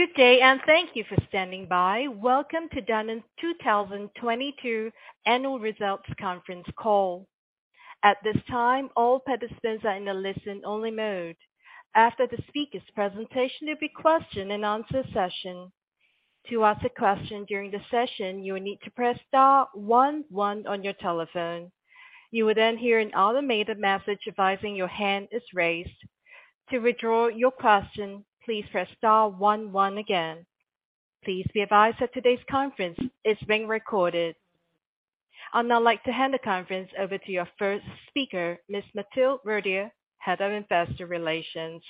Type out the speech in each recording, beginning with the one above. Good day, thank you for standing by. Welcome to Danone's 2022 Annual Results Conference Call. At this time, all participants are in a listen-only mode. After the speaker's presentation, there'll be question-and-answer session. To ask a question during the session, you will need to press star one, one on your telephone. You will hear an automated message advising your hand is raised. To withdraw your question, please press star one, one again. Please be advised that today's conference is being recorded. I'd now like to hand the conference over to your first speaker, Ms. Mathilde Rodie, Head of Investor Relations.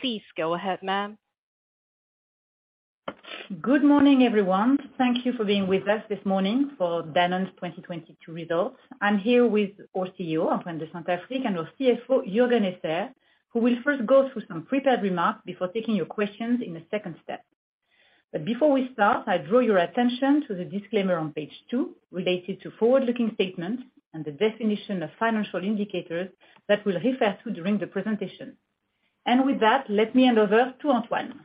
Please go ahead, ma'am. Good morning, everyone. Thank you for being with us this morning for Danone's 2022 results. I'm here with our CEO, Antoine de Saint-Affrique, and our CFO, Juergen Esser, who will first go through some prepared remarks before taking your questions in the second step. Before we start, I draw your attention to the disclaimer on page 2 related to forward-looking statements and the definition of financial indicators that we'll refer to during the presentation. With that, let me hand over to Antoine.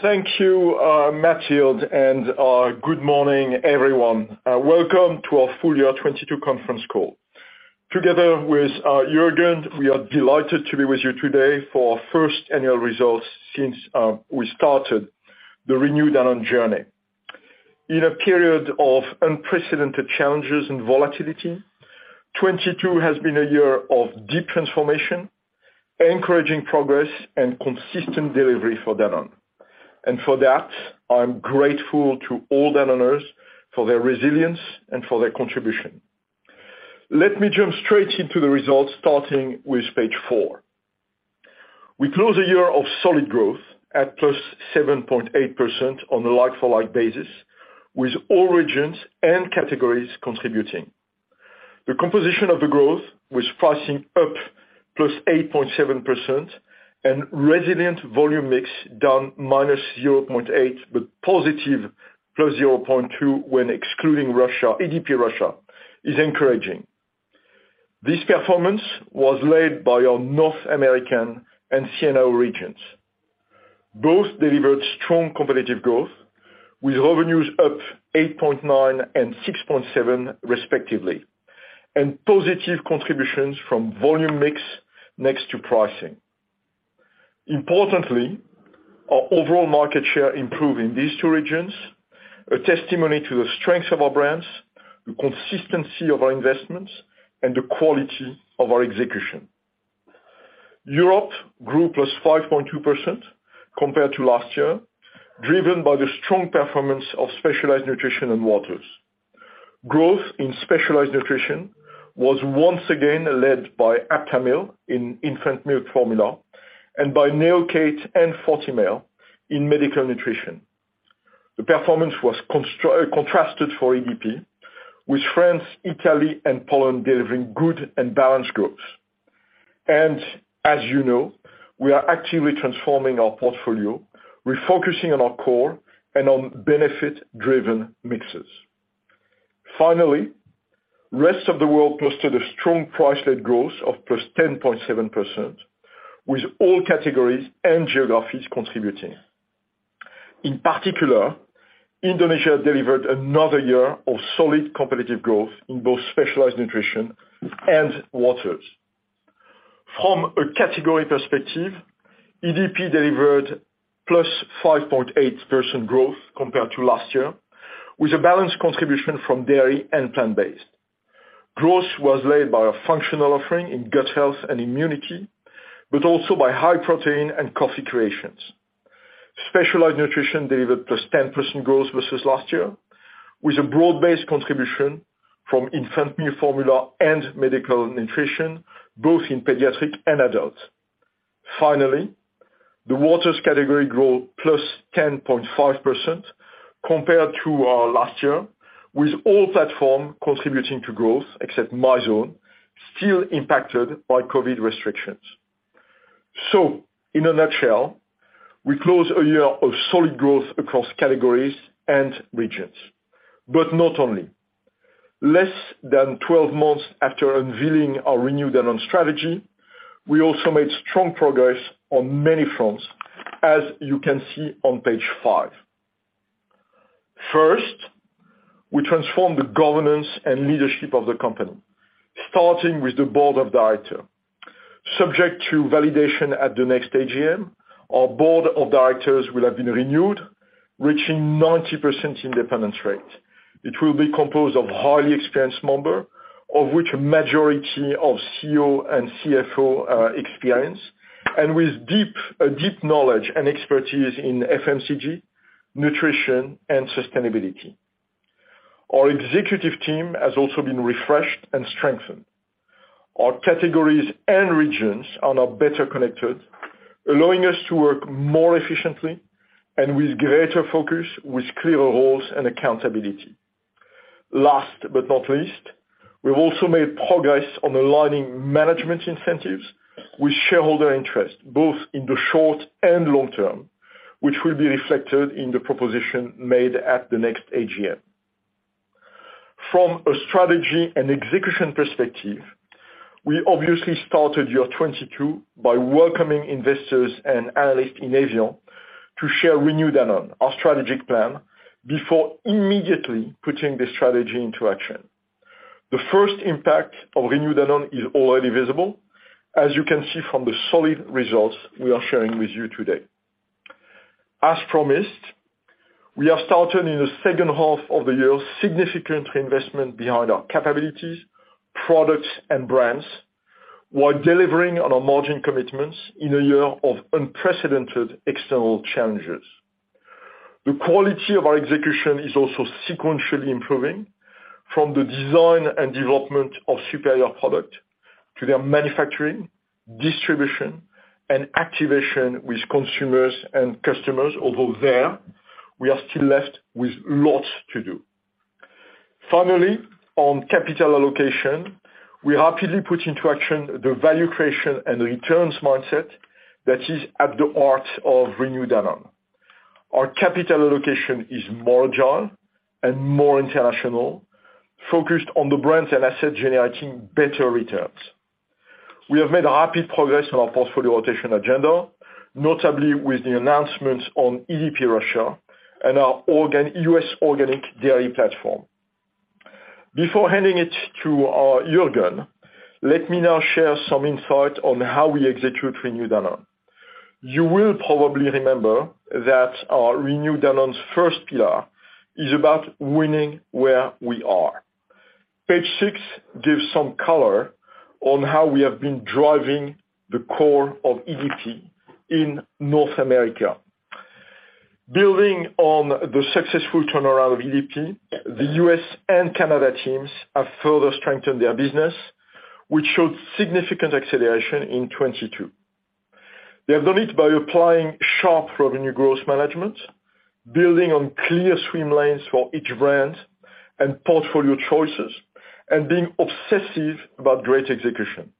Thank you, Mathilde, and good morning, everyone. Welcome to our full-year 2022 conference call. Together with Juergen, we are delighted to be with you today for our first annual results since we started the Renew Danone journey. In a period of unprecedented challenges and volatility, 2022 has been a year of deep transformation, encouraging progress and consistent delivery for Danone. For that, I'm grateful to all Danoners for their resilience and for their contribution. Let me jump straight into the results, starting with page 4. We close a year of solid growth at +7.8% on a like-for-like basis, with all regions and categories contributing. The composition of the growth was pricing up +8.7% and resilient volume mix down -0.8%, but +0.2% when excluding EDP Russia, is encouraging. This performance was led by our North American and CNAO regions. Both delivered strong competitive growth with revenues up 8.9% and 6.7% respectively, and positive contributions from volume mix next to pricing. Importantly, our overall market share improved in these two regions, a testimony to the strength of our brands, the consistency of our investments, and the quality of our execution. Europe grew +5.2% compared to last year, driven by the strong performance of specialized nutrition and waters. Growth in specialized nutrition was once again led by Aptamil in infant milk formula and by Neocate and Fortimel in medical nutrition. The performance was contrasted for EDP with France, Italy, and Poland delivering good and balanced growth. As you know, we are actively transforming our portfolio, refocusing on our core and on benefit-driven mixes. Finally, rest of the world posted a strong price-led growth of +10.7%, with all categories and geographies contributing. In particular, Indonesia delivered another year of solid competitive growth in both specialized nutrition and waters. From a category perspective, EDP delivered +5.8% growth compared to last year, with a balanced contribution from dairy and plant-based. Growth was led by a functional offering in gut health and immunity, but also by high protein and coffee creations. Specialized nutrition delivered +10% growth versus last year, with a broad-based contribution from infant milk formula and medical nutrition, both in pediatric and adult. Finally, the waters category grew +10.5% compared to last year, with all platform contributing to growth except Mizone, still impacted by COVID restrictions. In a nutshell, we close a year of solid growth across categories and regions. Not only. Less than 12 months after unveiling our Renew Danone strategy, we also made strong progress on many fronts, as you can see on page 5. First, we transformed the governance and leadership of the company, starting with the Board of Directors. Subject to validation at the next AGM, our Board of Directors will have been renewed, reaching 90% independent rate. It will be composed of highly experienced member, of which a majority of CEO and CFO experience, and with deep knowledge and expertise in FMCG, nutrition, and sustainability. Our executive team has also been refreshed and strengthened. Our categories and regions are now better connected, allowing us to work more efficiently and with greater focus, with clearer roles and accountability. Last but not least, we've also made progress on aligning management incentives with shareholder interest, both in the short and long term, which will be reflected in the proposition made at the next AGM. From a strategy and execution perspective, we obviously started year 2022 by welcoming investors and analysts in evian to share Renew Danone, our strategic plan, before immediately putting the strategy into action. The first impact of Renew Danone is already visible, as you can see from the solid results we are sharing with you today. As promised, we have started in the second half of the year significant investment behind our capabilities, product, and brands, while delivering on our margin commitments in a year of unprecedented external challenges. The quality of our execution is also sequentially improving from the design and development of superior product to their manufacturing, distribution, and activation with consumers and customers. There, we are still left with lots to do. Finally, on capital allocation, we happily put into action the value creation and returns mindset that is at the heart of Renew Danone. Our capital allocation is more agile and more international, focused on the brands and assets generating better returns. We have made a happy progress on our portfolio rotation agenda, notably with the announcements on EDP Russia and our U.S. organic dairy platform. Before handing it to our Juergen, let me now share some insight on how we execute Renew Danone. You will probably remember that our Renew Danone's first pillar is about winning where we are. Page 6 gives some color on how we have been driving the core of EDP in North America. Building on the successful turnaround of EDP, the U.S. and Canada teams have further strengthened their business, which showed significant acceleration in 2022. They have done it by applying sharp revenue growth management, building on clear swim lanes for each brand and portfolio choices, and being obsessive about great execution.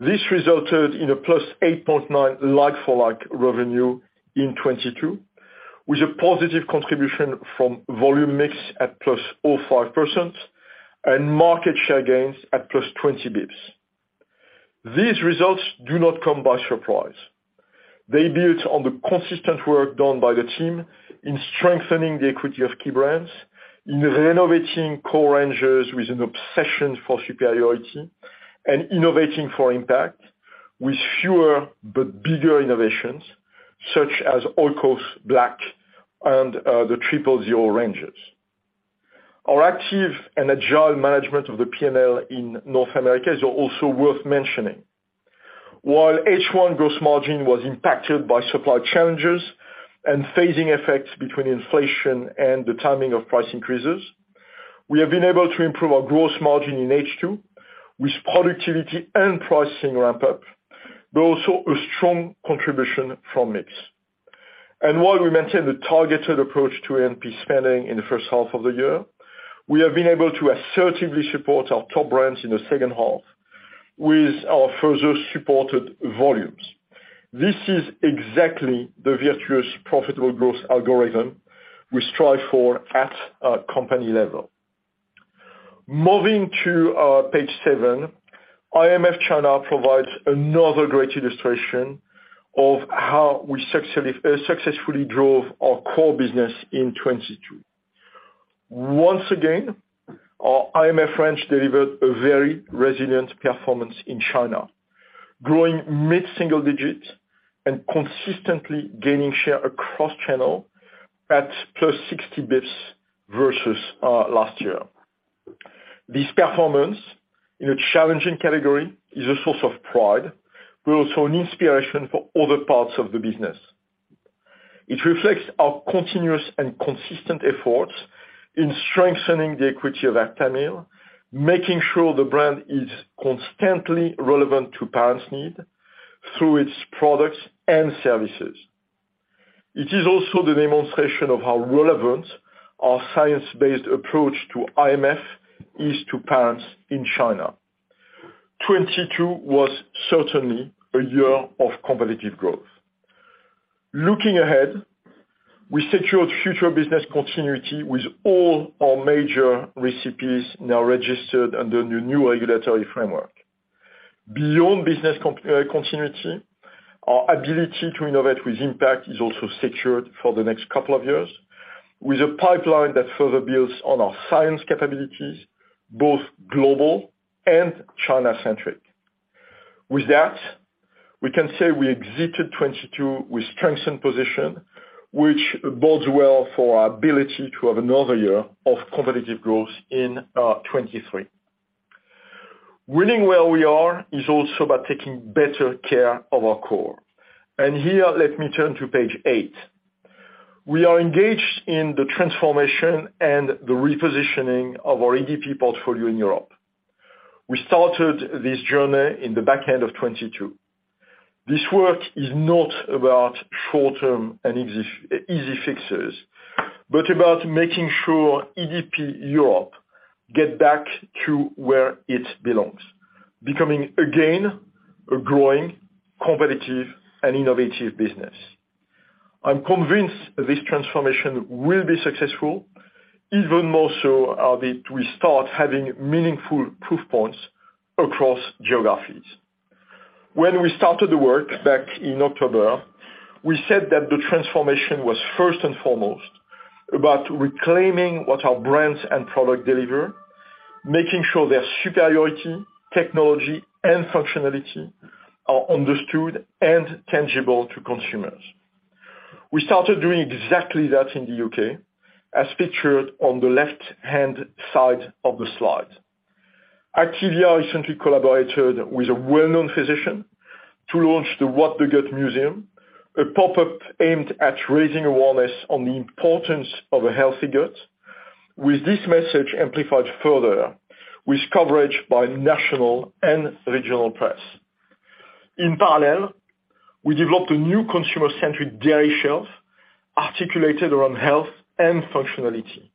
This resulted in a +8.9% like-for-like revenue in 2022, with a positive contribution from volume mix at +0.5% and market share gains at +20 basis points. These results do not come by surprise. They build on the consistent work done by the team in strengthening the equity of key brands, in renovating core ranges with an obsession for superiority, and innovating for impact with fewer but bigger innovations such as Oikos Black and the Triple Zero ranges. Our active and agile management of the P&L in North America is also worth mentioning. While H1 gross margin was impacted by supply challenges and phasing effects between inflation and the timing of price increases, we have been able to improve our gross margin in H2 with productivity and pricing ramp-up, but also a strong contribution from mix. While we maintain the targeted approach to A&P spending in the first half of the year, we have been able to assertively support our top brands in the second half with our further supported volumes. This is exactly the virtuous profitable growth algorithm we strive for at a company level. Moving to page 7, IMF China provides another great illustration of how we successfully drove our core business in 2022. Once again, our IMF branch delivered a very resilient performance in China, growing mid-single digits and consistently gaining share across channel at +60 basis points versus last year. This performance in a challenging category is a source of pride, but also an inspiration for other parts of the business. It reflects our continuous and consistent efforts in strengthening the equity of Aptamil, making sure the brand is constantly relevant to parents' need through its products and services. It is also the demonstration of how relevant our science-based approach to IMF is to parents in China. 2022 was certainly a year of competitive growth. Looking ahead, we secured future business continuity with all our major recipes now registered under the new regulatory framework. Beyond business continuity, our ability to innovate with impact is also secured for the next couple of years, with a pipeline that further builds on our science capabilities, both global and China-centric. With that, we can say we exited 2022 with strengthened position, which bodes well for our ability to have another year of competitive growth in 2023. Winning where we are is also about taking better care of our core. Here, let me turn to page 8. We are engaged in the transformation and the repositioning of our EDP portfolio in Europe. We started this journey in the back end of 2022. This work is not about short-term and easy fixes, but about making sure EDP Europe get back to where it belongs, becoming again a growing, competitive and innovative business. I'm convinced that this transformation will be successful, even more so as we start having meaningful proof points across geographies. When we started the work back in October, we said that the transformation was first and foremost about reclaiming what our brands and product deliver, making sure their superiority, technology, and functionality are understood and tangible to consumers. We started doing exactly that in the U.K., as pictured on the left-hand side of the slide. Activia recently collaborated with a well-known physician to launch the What the Gut? Museum, a pop-up aimed at raising awareness on the importance of a healthy gut. With this message amplified further with coverage by national and regional press. In parallel, we developed a new consumer-centric dairy shelf articulated around health and functionality.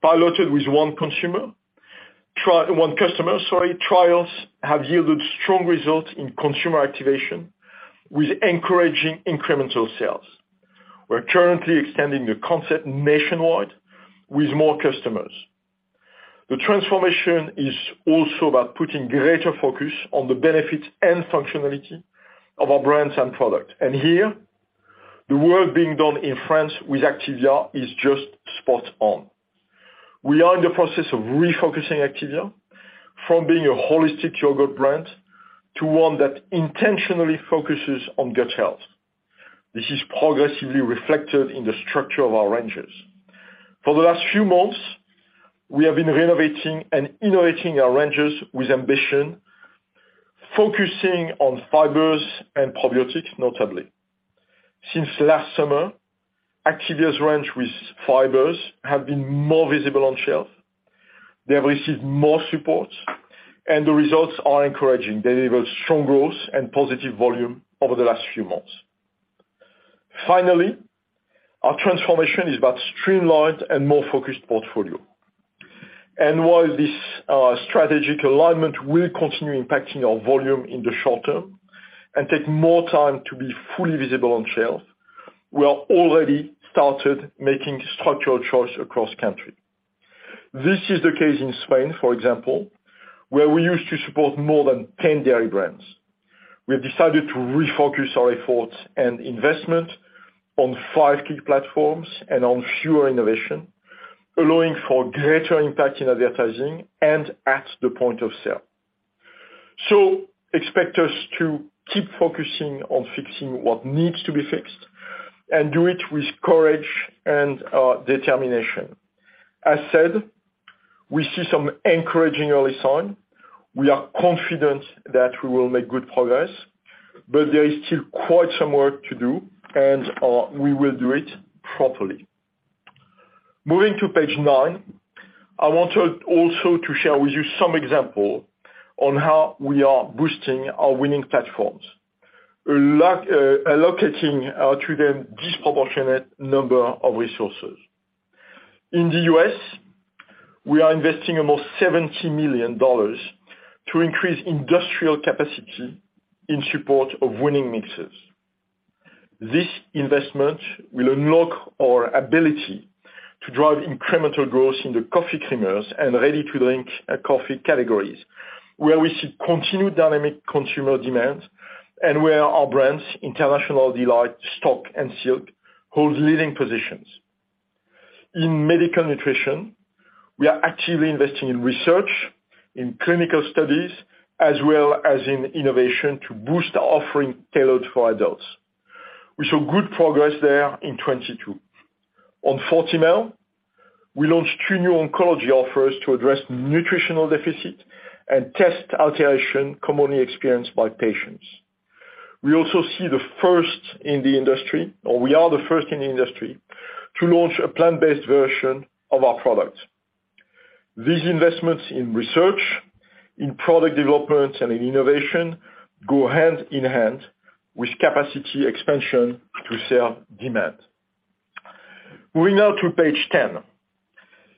Piloted with one customer, trials have yielded strong results in consumer activation with encouraging incremental sales. We're currently extending the concept nationwide with more customers. The transformation is also about putting greater focus on the benefits and functionality of our brands and products. Here, the work being done in France with Activia is just spot on. We are in the process of refocusing Activia from being a holistic yogurt brand to one that intentionally focuses on gut health. This is progressively reflected in the structure of our ranges. For the last few months, we have been renovating and innovating our ranges with ambition, focusing on fibers and probiotics, notably. Since last summer, Activia's range with fibers have been more visible on shelf. They have received more support and the results are encouraging. They deliver strong growth and positive volume over the last few months. Finally, our transformation is about streamlined and more focused portfolio. While this strategic alignment will continue impacting our volume in the short term and take more time to be fully visible on shelves, we are already started making structural choice across country. This is the case in Spain, for example, where we used to support more than 10 dairy brands. We have decided to refocus our efforts and investment on five key platforms and on fewer innovation, allowing for greater impact in advertising and at the point of sale. Expect us to keep focusing on fixing what needs to be fixed and do it with courage and determination. As said, we see some encouraging early sign. We are confident that we will make good progress, but there is still quite some work to do and we will do it properly. Moving to page 9. I wanted also to share with you some example on how we are boosting our winning platforms. Allocating to them disproportionate number of resources. In the U.S., we are investing almost $70 million to increase industrial capacity in support of winning mixes. This investment will unlock our ability to drive incremental growth in the coffee creamers and ready-to-drink coffee categories, where we see continued dynamic consumer demand and where our brands, International Delight, STōK, and Silk, hold leading positions. In medical nutrition, we are actively investing in research, in clinical studies, as well as in innovation to boost our offering tailored for adults. We saw good progress there in 2022. On Fortimel, we launched two new oncology offers to address nutritional deficit and test alteration commonly experienced by patients. We also see the first in the industry, or we are the first in the industry, to launch a plant-based version of our product. These investments in research, in product development, and in innovation go hand in hand with capacity expansion to sell demand. Moving now to page 10.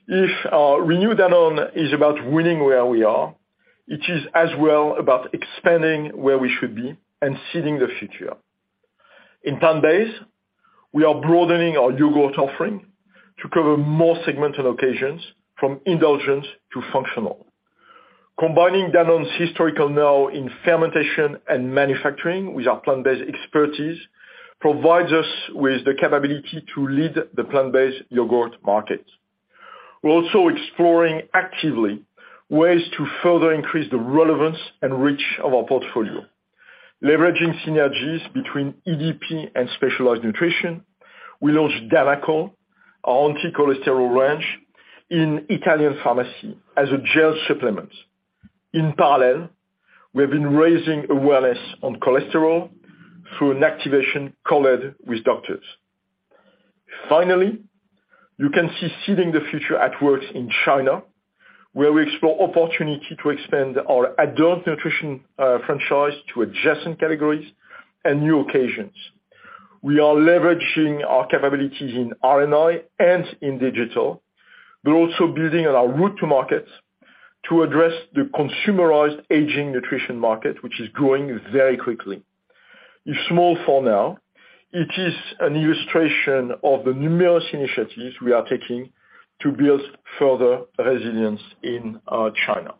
If our Renew Danone is about winning where we are, it is as well about expanding where we should be and seeding the future. In plant-based, we are broadening our yogurt offering to cover more segment and occasions, from indulgence to functional. Combining Danone's historical know in fermentation and manufacturing with our plant-based expertise provides us with the capability to lead the plant-based yogurt market. We're also exploring actively ways to further increase the relevance and reach of our portfolio. Leveraging synergies between EDP and specialized nutrition, we launched Danacol, our anti-cholesterol range, in Italian pharmacy as a gel supplement. In parallel, we have been raising awareness on cholesterol through an activation co-led with doctors. You can see seeding the future at work in China, where we explore opportunity to expand our adult nutrition, franchise to adjacent categories and new occasions. We are leveraging our capabilities in R&I and in digital. We're also building on our route to markets. To address the consumerized aging nutrition market, which is growing very quickly. It's small for now. It is an illustration of the numerous initiatives we are taking to build further resilience in China.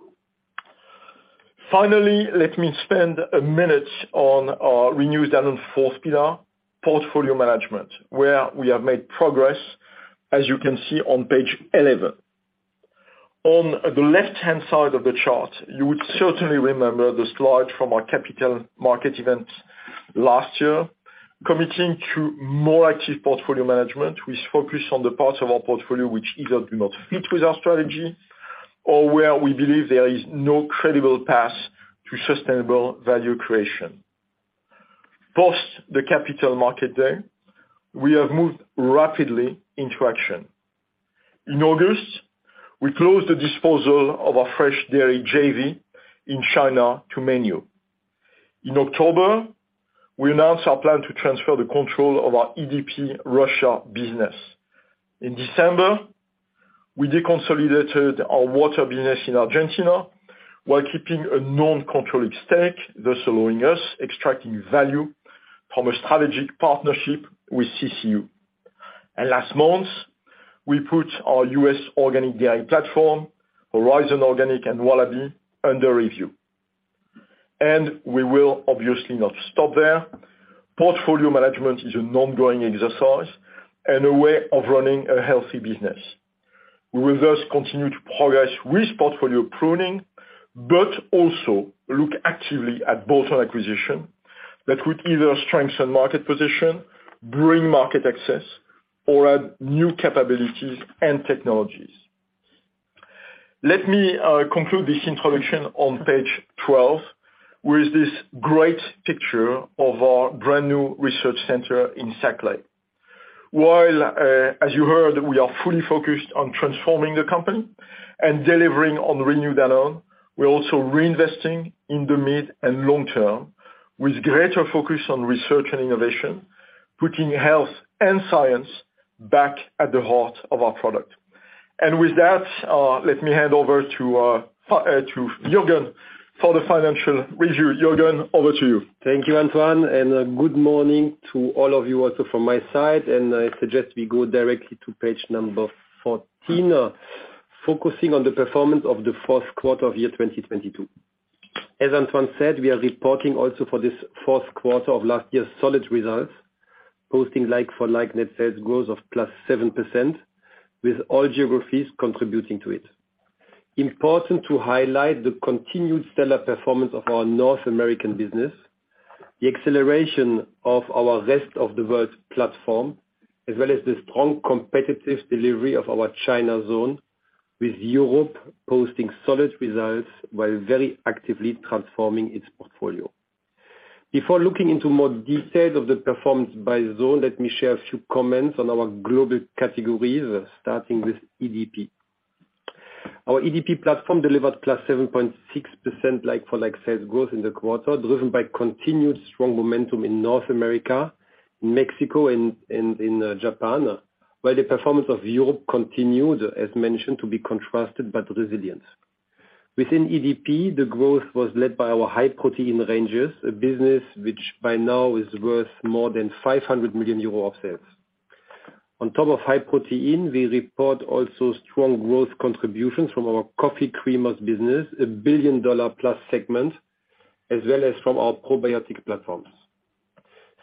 Let me spend a minute on our renewed Danone fourth pillar, portfolio management, where we have made progress, as you can see on page 11. On the left-hand side of the chart, you would certainly remember the slide from our Capital Market Event last year, committing to more active portfolio management, which focus on the parts of our portfolio which either do not fit with our strategy or where we believe there is no credible path to sustainable value creation. Post the Capital Market Day, we have moved rapidly into action. In August, we closed the disposal of our fresh dairy JV in China to Mengniu. In October, we announced our plan to transfer the control of our EDP Russia business. In December, we deconsolidated our water business in Argentina while keeping a non-controlling stake, thus allowing us extracting value from a strategic partnership with CCU. Last month, we put our U.S. organic dairy platform, Horizon Organic and Wallaby, under review. We will obviously not stop there. Portfolio management is an ongoing exercise and a way of running a healthy business. We will thus continue to progress with portfolio pruning, but also look actively at bolt-on acquisition that would either strengthen market position, bring market access, or add new capabilities and technologies. Let me conclude this introduction on page 12, with this great picture of our brand-new research center in Saclay. While as you heard, we are fully focused on transforming the company and delivering on Renew Danone, we're also reinvesting in the mid and long term with greater focus on research and innovation, putting health and science back at the heart of our product. With that, let me hand over to Juergen for the financial review. Juergen, over to you. Thank you, Antoine, good morning to all of you also from my side. I suggest we go directly to page 14, focusing on the performance of the fourth quarter of 2022. As Antoine said, we are reporting also for this fourth quarter of last year's solid results, posting like-for-like net sales growth of +7%, with all geographies contributing to it. Important to highlight the continued stellar performance of our North American business, the acceleration of our rest of the world's platform, as well as the strong competitive delivery of our China zone, with Europe posting solid results while very actively transforming its portfolio. Before looking into more detail of the performance by zone, let me share a few comments on our global categories, starting with EDP. Our EDP platform delivered +7.6% like-for-like sales growth in the quarter, driven by continued strong momentum in North America, Mexico, and in Japan, while the performance of Europe continued, as mentioned, to be contrasted, but resilient. Within EDP, the growth was led by our high protein ranges, a business which by now is worth more than 500 million euro of sales. On top of high protein, we report also strong growth contributions from our coffee creamers business, a billion-dollar plus segment, as well as from our probiotic platforms.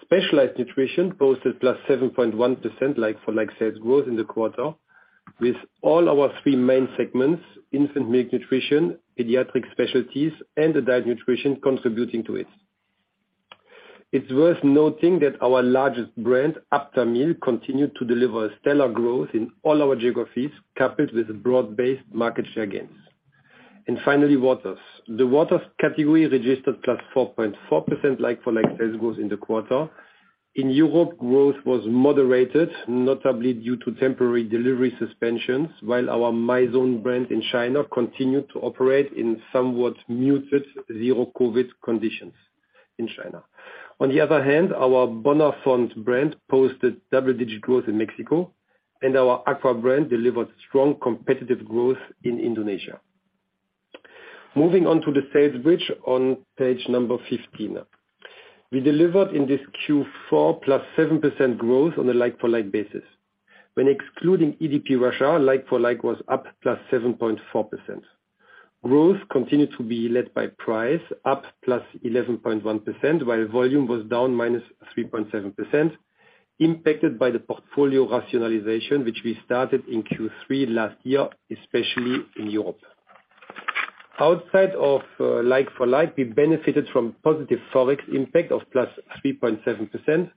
Specialized nutrition posted +7.1% like-for-like sales growth in the quarter, with all our three main segments, infant milk nutrition, pediatric specialties, and the diet nutrition contributing to it. It's worth noting that our largest brand, Aptamil, continued to deliver stellar growth in all our geographies, coupled with broad-based market share gains. Finally, waters. The waters category registered +4.4% like-for-like sales growth in the quarter. In Europe, growth was moderated, notably due to temporary delivery suspensions, while our Mizone brand in China continued to operate in somewhat muted zero COVID conditions in China. On the other hand, our Bonafont brand posted double-digit growth in Mexico, and our AQUA brand delivered strong competitive growth in Indonesia. Moving on to the sales bridge on page number 15. We delivered in this Q4 +7% growth on a like-for-like basis. When excluding EDP Russia, like-for-like was up +7.4%. Growth continued to be led by price, up +11.1%, while volume was down -3.7%, impacted by the portfolio rationalization which we started in Q3 last year, especially in Europe. Outside of like-for-like, we benefited from positive Forex impact of +3.7%,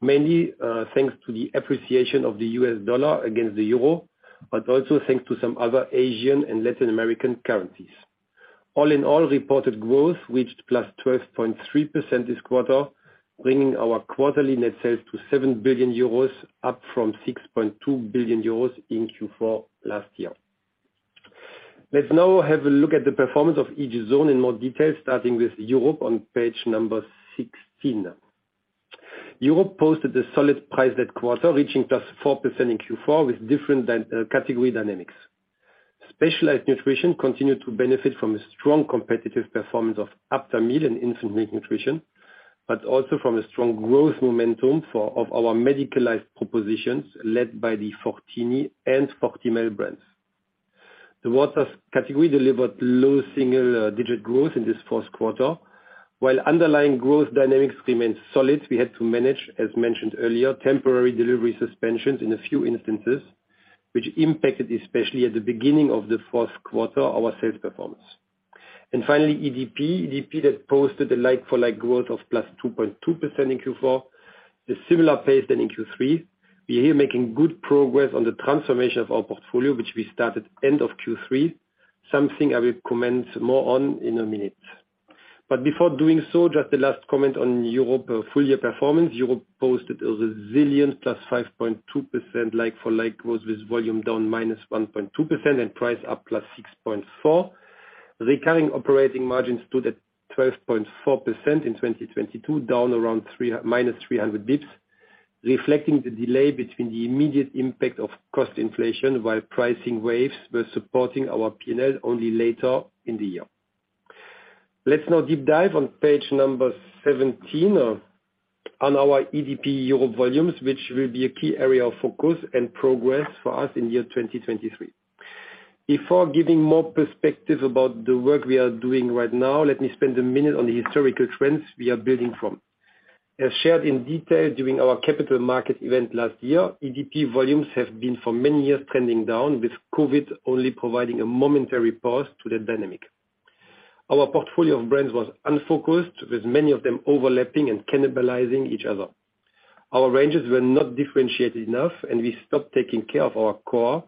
mainly thanks to the appreciation of the U.S. dollar against the euro, but also thanks to some other Asian and Latin American currencies. All in all, reported growth reached +12.3% this quarter, bringing our quarterly net sales to 7 billion euros, up from 6.2 billion euros in Q4 last year. Let's now have a look at the performance of each zone in more detail, starting with Europe on page number 16. Europe posted a solid price that quarter, reaching +4% in Q4 with different category dynamics. Specialized nutrition continued to benefit from the strong competitive performance of Aptamil and Infant milk nutrition, but also from a strong growth momentum of our medicalized propositions led by the Fortini and Fortimel brands. The waters category delivered low single digit growth in this fourth quarter. While underlying growth dynamics remained solid, we had to manage, as mentioned earlier, temporary delivery suspensions in a few instances, which impacted, especially at the beginning of the fourth quarter, our sales performance. Finally, EDP. EDP that posted a like-for-like growth of +2.2% in Q4, a similar pace than in Q3. We are here making good progress on the transformation of our portfolio, which we started end of Q3, something I will comment more on in a minute. Before doing so, just a last comment on Europe, full-year performance. Europe posted a resilient +5.2% like-for-like growth, with volume down -1.2% and price up +6.4%. Recurring operating margins stood at 12.4% in 2022, down around minus 300 basis points, reflecting the delay between the immediate impact of cost inflation while pricing waves were supporting our P&L only later in the year. Let's now deep dive on page 17 on our EDP Europe volumes, which will be a key area of focus and progress for us in 2023. Before giving more perspective about the work we are doing right now, let me spend a minute on the historical trends we are building from. As shared in detail during our Capital Market Event last year, EDP volumes have been for many years trending down, with COVID only providing a momentary pause to that dynamic. Our portfolio of brands was unfocused, with many of them overlapping and cannibalizing each other. Our ranges were not differentiated enough. We stopped taking care of our core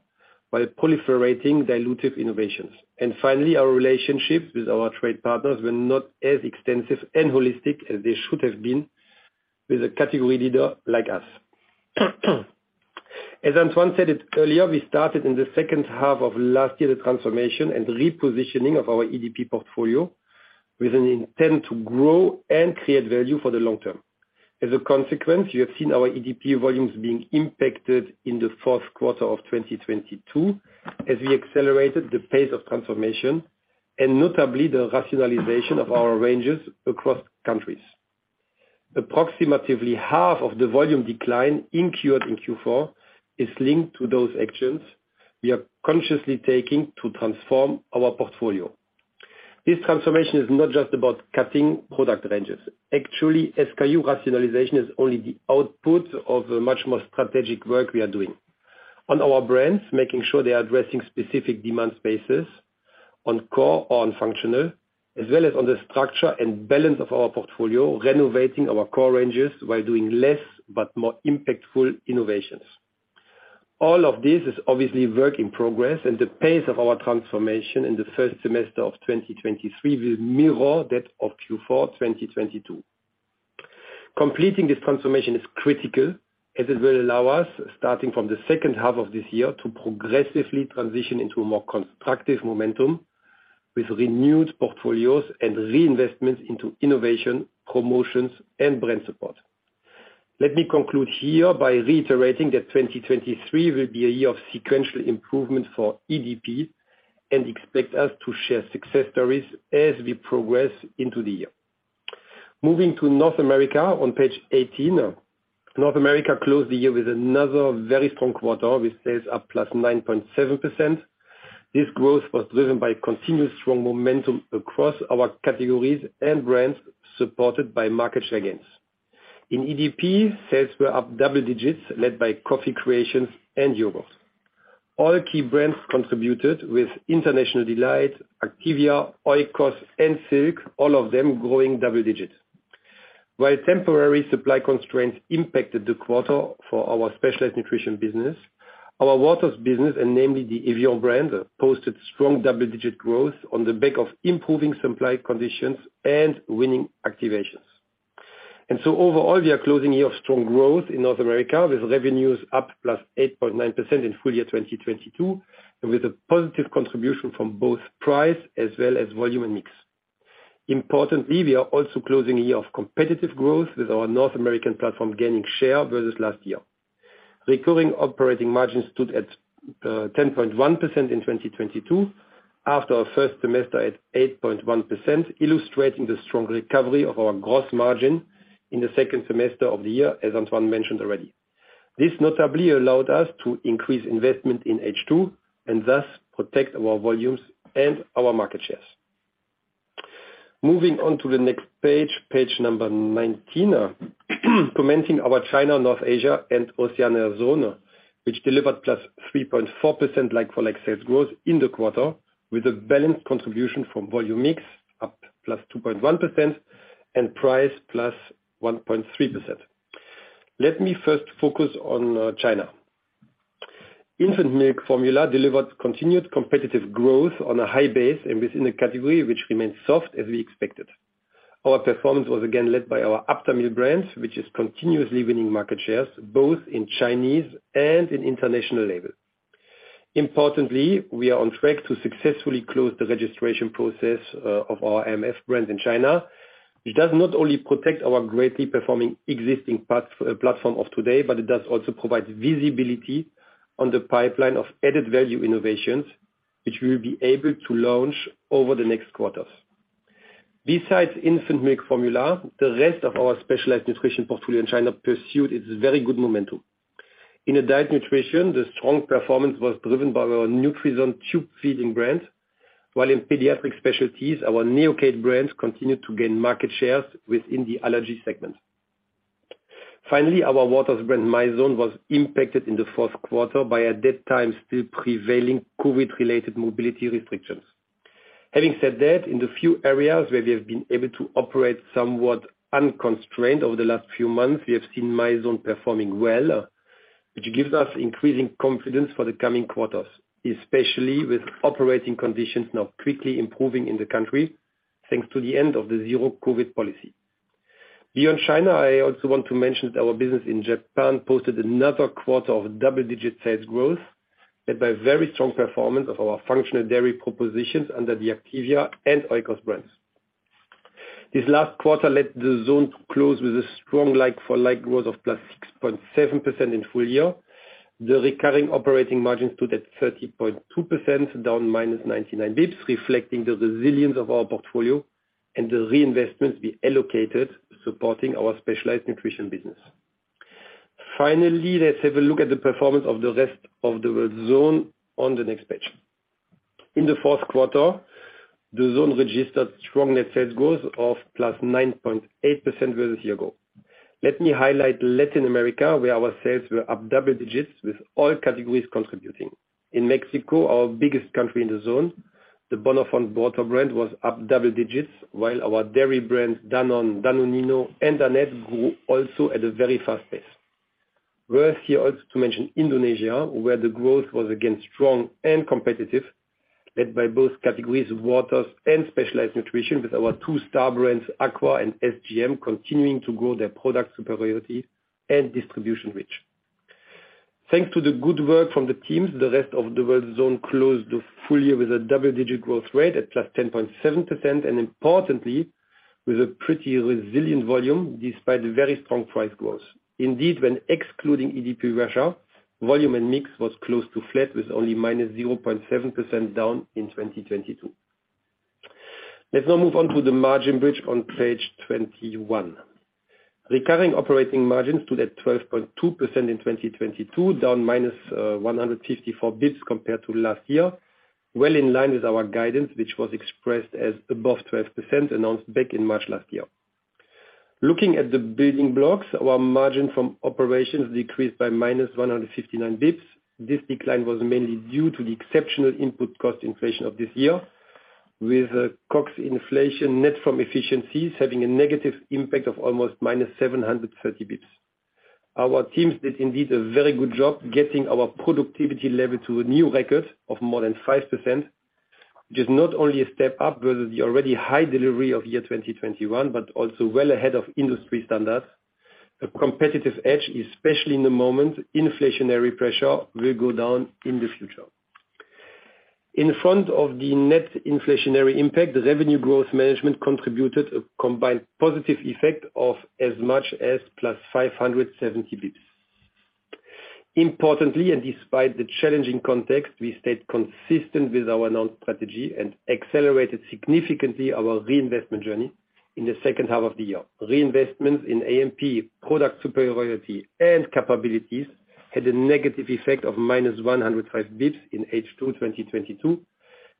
by proliferating dilutive innovations. Finally, our relationships with our trade partners were not as extensive and holistic as they should have been with a category leader like us. As Antoine said it earlier, we started in the second half of last year the transformation and repositioning of our EDP portfolio with an intent to grow and create value for the long term. As a consequence, you have seen our EDP volumes being impacted in the fourth quarter of 2022 as we accelerated the pace of transformation and notably the rationalization of our ranges across countries. Approximately half of the volume decline incurred in Q4 is linked to those actions we are consciously taking to transform our portfolio. This transformation is not just about cutting product ranges. Actually, SKU rationalization is only the output of a much more strategic work we are doing. On our brands, making sure they are addressing specific demand spaces, on core or on functional, as well as on the structure and balance of our portfolio, renovating our core ranges while doing less but more impactful innovations. All of this is obviously work in progress. The pace of our transformation in the first semester of 2023 will mirror that of Q4 2022. Completing this transformation is critical, as it will allow us, starting from the second half of this year, to progressively transition into a more constructive momentum with renewed portfolios and reinvestments into innovation, promotions and brand support. Let me conclude here by reiterating that 2023 will be a year of sequential improvement for EDP and expect us to share success stories as we progress into the year. Moving to North America on page 18. North America closed the year with another very strong quarter, with sales up +9.7%. This growth was driven by continuous strong momentum across our categories and brands, supported by market share gains. In EDP, sales were up double digits, led by coffee creations and yogurt. All key brands contributed with International Delight, Activia, Oikos and Silk, all of them growing double digits. While temporary supply constraints impacted the quarter for our specialized nutrition business, our waters business, and namely the evian brand, posted strong double-digit growth on the back of improving supply conditions and winning activations. Overall, we are closing a year of strong growth in North America, with revenues up +8.9% in full-year 2022, and with a positive contribution from both price as well as volume and mix. Importantly, we are also closing a year of competitive growth, with our North American platform gaining share versus last year. Recurring operating margins stood at 10.1% in 2022, after our first semester at 8.1%, illustrating the strong recovery of our gross margin in the second semester of the year, as Antoine mentioned already. This notably allowed us to increase investment in H2 and thus protect our volumes and our market shares. Moving on to the next page number 19. Commenting our China, North Asia and Oceania zone, which delivered +3.4% like-for-like sales growth in the quarter, with a balanced contribution from volume mix up +2.1% and price +1.3%. Let me first focus on China. Infant milk formula delivered continued competitive growth on a high base and within a category which remains soft as we expected. Our performance was again led by our Aptamil brands, which is continuously winning market shares both in Chinese and in international label. Importantly, we are on track to successfully close the registration process of our IMF brand in China, which does not only protect our greatly performing existing platform of today, but it does also provide visibility on the pipeline of added value innovations which we'll be able to launch over the next quarters. Besides infant milk formula, the rest of our specialized nutrition portfolio in China pursued its very good momentum. In adult nutrition, the strong performance was driven by our Nutrison tube feeding brand, while in pediatric specialties, our Neocate brand continued to gain market shares within the allergy segment. Finally, our waters brand, Mizone, was impacted in the fourth quarter by, at that time, still prevailing COVID-related mobility restrictions. Having said that, in the few areas where we have been able to operate somewhat unconstrained over the last few months, we have seen Mizone performing well, which gives us increasing confidence for the coming quarters, especially with operating conditions now quickly improving in the country, thanks to the end of the zero-COVID policy. Beyond China, I also want to mention that our business in Japan posted another quarter of double-digit sales growth, led by very strong performance of our functional dairy propositions under the Activia and Oikos brands. This last quarter led the zone to close with a strong like-for-like growth of +6.7% in full year. The recurring operating margins stood at 30.2%, down -99 basis points, reflecting the resilience of our portfolio and the reinvestments we allocated supporting our specialized nutrition business. Finally, let's have a look at the performance of the rest of the world zone on the next page. In the fourth quarter, the zone registered strong net sales growth of +9.8% versus a year ago. Let me highlight Latin America, where our sales were up double digits, with all categories contributing. In Mexico, our biggest country in the zone, the Bonafont water brand was up double digits, while our dairy brands, Dannon, Danonino, and Danette grew also at a very fast pace. Worth here also to mention Indonesia, where the growth was again strong and competitive, led by both categories, waters and specialized nutrition, with our two star brands, AQUA and SGM, continuing to grow their product superiority and distribution reach. Thanks to the good work from the teams, the rest of the world zone closed the full year with a double-digit growth rate at +10.7%, and importantly, with a pretty resilient volume, despite the very strong price growth. Indeed, when excluding EDP Russia, volume and mix was close to flat, with only -0.7% down in 2022. Let's now move on to the margin bridge on page 21. Recurring operating margins stood at 12.2% in 2022, down -154 basis points compared to last year, well in line with our guidance, which was expressed as above 12%, announced back in March last year. Looking at the building blocks, our margin from operations decreased by -159 basis points. This decline was mainly due to the exceptional input cost inflation of this year, with COGS inflation net from efficiencies having a negative impact of almost -730 basis points. Our teams did indeed a very good job getting our productivity level to a new record of more than 5%, which is not only a step up versus the already high delivery of year 2021, but also well ahead of industry standards. A competitive edge, especially in the moment, inflationary pressure will go down in the future. In front of the net inflationary impact, the revenue growth management contributed a combined positive effect of as much as +570 basis points. Importantly, and despite the challenging context, we stayed consistent with our known strategy and accelerated significantly our reinvestment journey in the second half of the year. Reinvestments in A&P product superiority and capabilities had a negative effect of -105 basis points in H2 2022,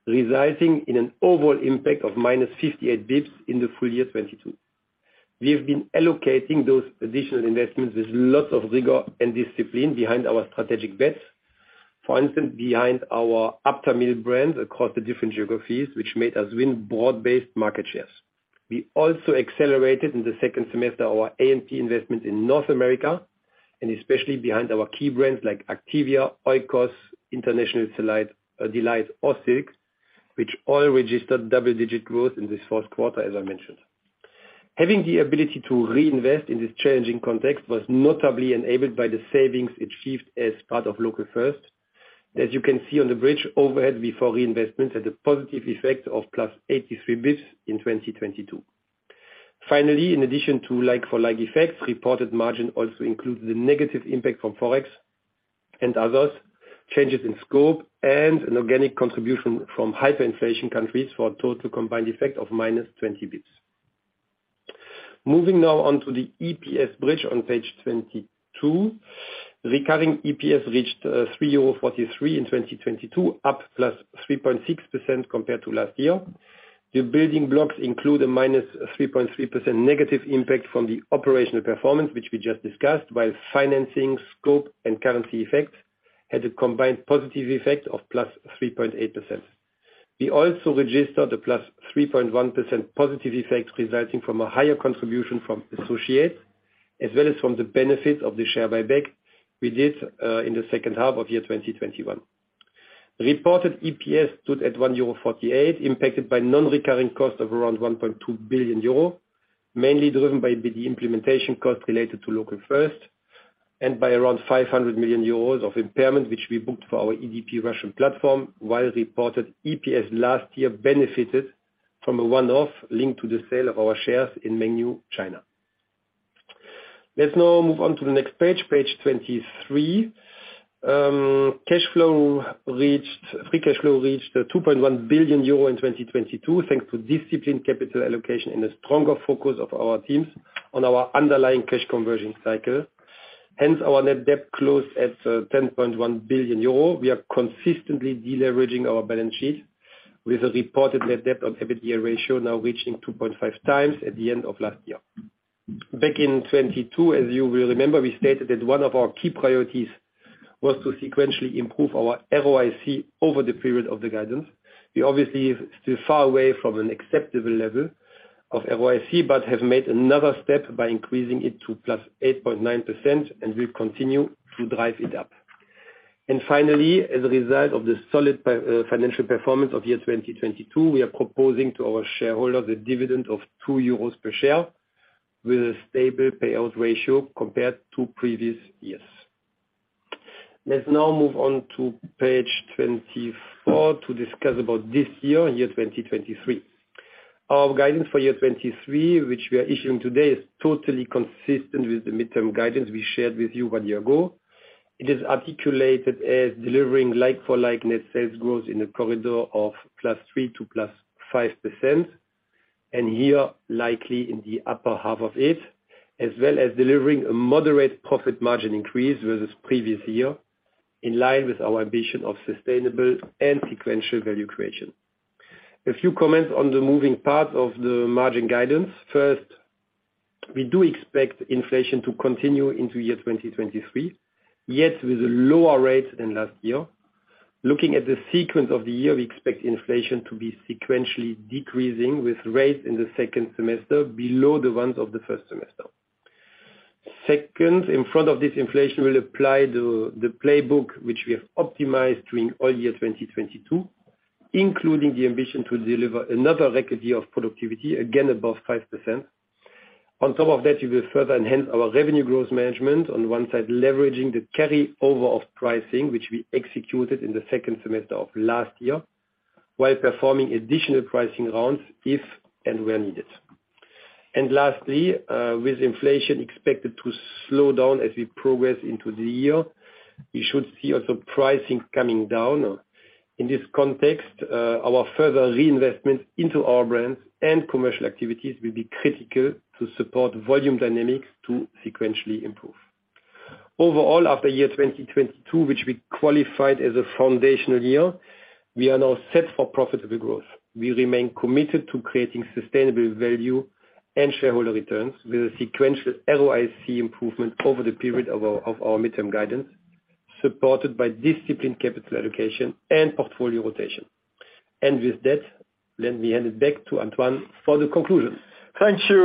resulting in an overall impact of -58 basis points in the full year 2022. We have been allocating those additional investments with lots of rigor and discipline behind our strategic bets. For instance, behind our Aptamil brand across the different geographies, which made us win broad-based market shares. We also accelerated in the second semester our A&P investment in North America, especially behind our key brands like Activia, Oikos, International Delight, or Silk, which all registered double-digit growth in this fourth quarter, as I mentioned. Having the ability to reinvest in this challenging context was notably enabled by the savings achieved as part of Local First. As you can see on the bridge, overhead before reinvestment had a positive effect of +83 basis points in 2022. In addition to like-for-like effects, reported margin also includes the negative impact from Forex and others, changes in scope, and an organic contribution from hyperinflation countries for a total combined effect of -20 basis points. Moving now on to the EPS bridge on page 22. Recurring EPS reached 3.43 euro in 2022, up +3.6% compared to last year. The building blocks include a -3.3% negative impact from the operational performance, which we just discussed, while financing, scope, and currency effects had a combined positive effect of +3.8%. We also registered a +3.1% positive effect resulting from a higher contribution from associates, as well as from the benefits of the share buyback we did in the second half of 2021. Reported EPS stood at 1.48 euro, impacted by non-recurring costs of around 1.2 billion euro. Mainly driven by the implementation costs related to Local First and by around 500 million euros of impairment, which we booked for our EDP Russian platform, while reported EPS last year benefited from a one-off linked to the sale of our shares in Mengniu China. Let's now move on to the next page 23. Free cash flow reached 2.1 billion euro in 2022, thanks to disciplined capital allocation and a stronger focus of our teams on our underlying cash conversion cycle. Our net debt closed at 10.1 billion euro. We are consistently de-leveraging our balance sheet with a reported net debt on EBITDA ratio now reaching 2.5x at the end of last year. Back in 2022, as you will remember, we stated that one of our key priorities was to sequentially improve our ROIC over the period of the guidance. We obviously are still far away from an acceptable level of ROIC, have made another step by increasing it to +8.9%, and we'll continue to drive it up. Finally, as a result of the solid financial performance of 2022, we are proposing to our shareholders a dividend of 2 euros per share with a stable payout ratio compared to previous years. Let's now move on to page 24 to discuss about this year, 2023. Our guidance for 2023, which we are issuing today, is totally consistent with the midterm guidance we shared with you one year ago. It is articulated as delivering like-for-like net sales growth in the corridor of +3% to +5%, and here likely in the upper half of it, as well as delivering a moderate profit margin increase versus previous year, in line with our ambition of sustainable and sequential value creation. A few comments on the moving part of the margin guidance. First, we do expect inflation to continue into year 2023, yet with lower rates than last year. Looking at the sequence of the year, we expect inflation to be sequentially decreasing with rates in the second semester below the ones of the first semester. Second, in front of this inflation will apply the playbook which we have optimized during all year 2022, including the ambition to deliver another record year of productivity, again above 5%. On top of that, we will further enhance our revenue growth management, on one side, leveraging the carryover of pricing which we executed in the second semester of last year, while performing additional pricing rounds if and where needed. Lastly, with inflation expected to slow down as we progress into the year, we should see also pricing coming down. In this context, our further reinvestment into our brands and commercial activities will be critical to support volume dynamics to sequentially improve. Overall, after year 2022, which we qualified as a foundational year, we are now set for profitable growth. We remain committed to creating sustainable value and shareholder returns with a sequential ROIC improvement over the period of our midterm guidance, supported by disciplined capital allocation and portfolio rotation. With that, let me hand it back to Antoine for the conclusion. Thank you,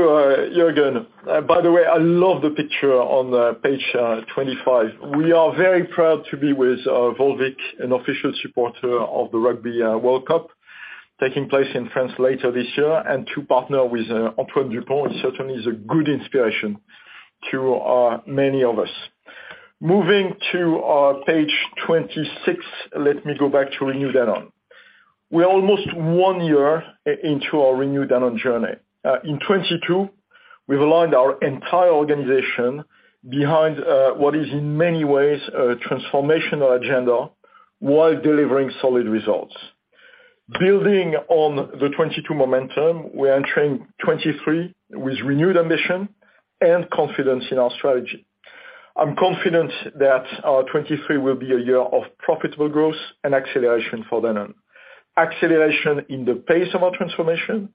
Juergen. By the way, I love the picture on page 25. We are very proud to be with Volvic, an official supporter of the Rugby World Cup taking place in France later this year, and to partner with Antoine Dupont certainly is a good inspiration to many of us. Moving to page 26, let me go back to Renew Danone. We're almost one year into our Renew Danone journey. In 2022, we've aligned our entire organization behind what is in many ways a transformational agenda while delivering solid results. Building on the 2022 momentum, we're entering 2023 with renewed ambition and confidence in our strategy. I'm confident that 2023 will be a year of profitable growth and acceleration for Danone. Acceleration in the pace of our transformation,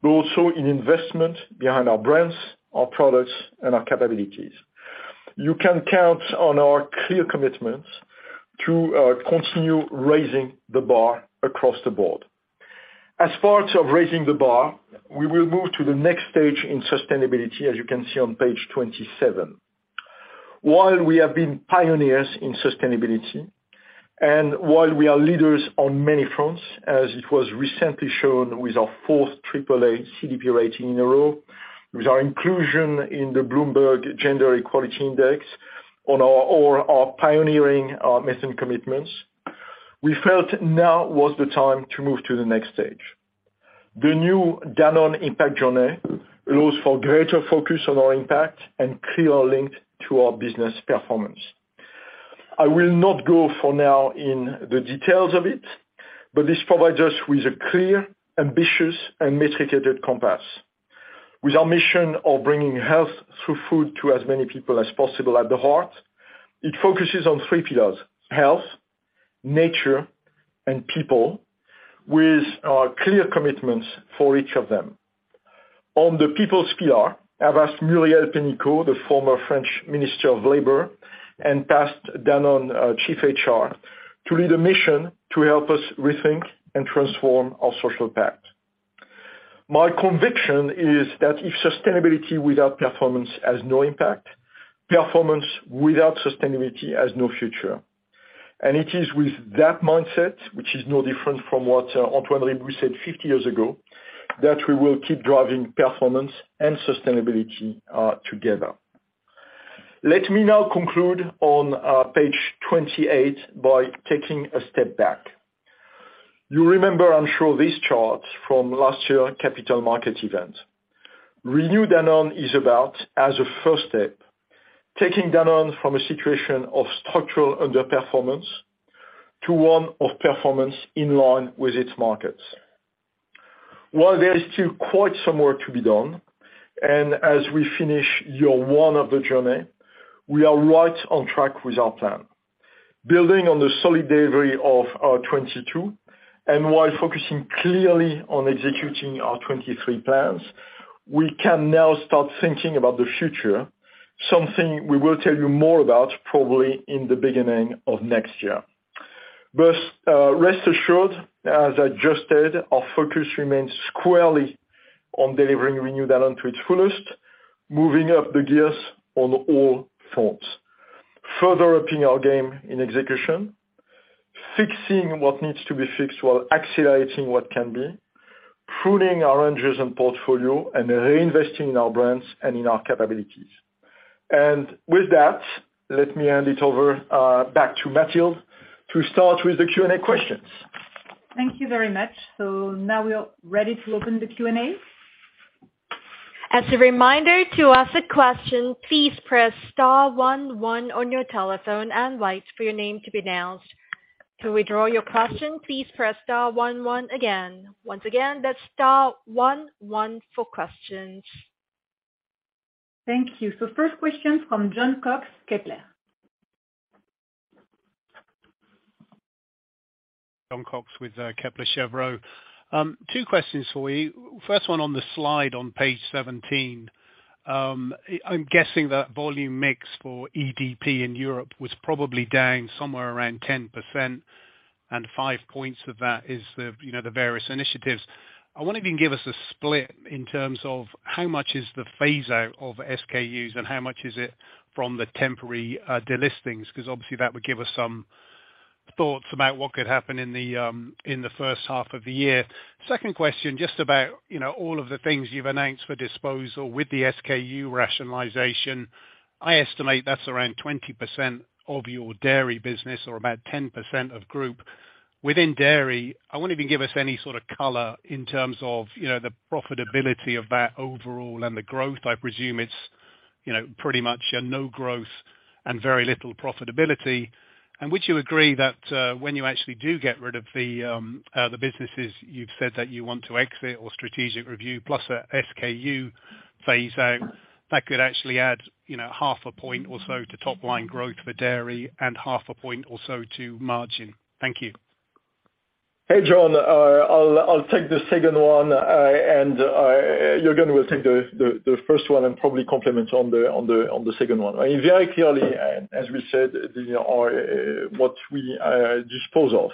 but also in investment behind our brands, our products, and our capabilities. You can count on our clear commitments to continue raising the bar across the board. As part of raising the bar, we will move to the next stage in sustainability, as you can see on page 27. While we have been pioneers in sustainability, and while we are leaders on many fronts, as it was recently shown with our fourth AAA CDP rating in a row, with our inclusion in the Bloomberg Gender Equality Index or our pioneering mission commitments, we felt now was the time to move to the next stage. The new Danone Impact Journey allows for greater focus on our impact and clearer link to our business performance. I will not go for now in the details of it, but this provides us with a clear, ambitious, and metricated compass. With our mission of bringing health through food to as many people as possible at the heart, it focuses on three pillars: health, nature, and people, with clear commitments for each of them. On the people's pillar, I've asked Muriel Pénicaud, the former French Minister of Labor and past Danone Chief HR, to lead a mission to help us rethink and transform our social pact. My conviction is that if sustainability without performance has no impact, performance without sustainability has no future. It is with that mindset, which is no different from what Antoine Riboud said 50 years ago, that we will keep driving performance and sustainability together. Let me now conclude on page 28 by taking a step back. You remember, I'm sure, this chart from last year's Capital Market Event. Renew Danone is about, as a first step, taking Danone from a situation of structural underperformance to one of performance in line with its markets. While there is still quite some work to be done, and as we finish year one of the journey, we are right on track with our plan. Building on the solid delivery of 2022, and while focusing clearly on executing our 2023 plans, we can now start thinking about the future, something we will tell you more about probably in the beginning of next year. Rest assured, as I just said, our focus remains squarely on delivering Renew Danone to its fullest, moving up the gears on all fronts, further upping our game in execution, fixing what needs to be fixed while accelerating what can be, pruning our ranges and portfolio, and then reinvesting in our brands and in our capabilities. With that, let me hand it over back to Mathilde to start with the Q&A questions. Thank you very much. Now we are ready to open the Q&A. As a reminder, to ask a question, please press star one, one on your telephone and wait for your name to be announced. To withdraw your question, please press star one, one again. Once again, that's star one, one for questions. Thank you. First question from Jon Cox, Kepler. John Cox with Kepler Cheuvreux. Two questions for you. First one on the slide on page 17. I'm guessing that volume mix for EDP in Europe was probably down somewhere around 10%, and 5 points of that is the, you know, the various initiatives. I wonder if you can give us a split in terms of how much is the phaseout of SKUs and how much is it from the temporary delistings, 'cause obviously that would give us some thoughts about what could happen in the first half of the year. Second question, just about, you know, all of the things you've announced for disposal with the SKU rationalization. I estimate that's around 20% of your dairy business or about 10% of group. Within dairy, I wonder if you can give us any sort of color in terms of, you know, the profitability of that overall and the growth. I presume it's, you know, pretty much a no growth and very little profitability. Would you agree that when you actually do get rid of the businesses you've said that you want to exit or strategic review plus a SKU phase out, that could actually add, you know, half a point or so to top line growth for dairy and half a point or so to margin? Thank you. Hey, Jon. I'll take the second one, and Juergen will take the first one and probably complement on the second one. I mean, very clearly, as we said, you know, our, what we dispose of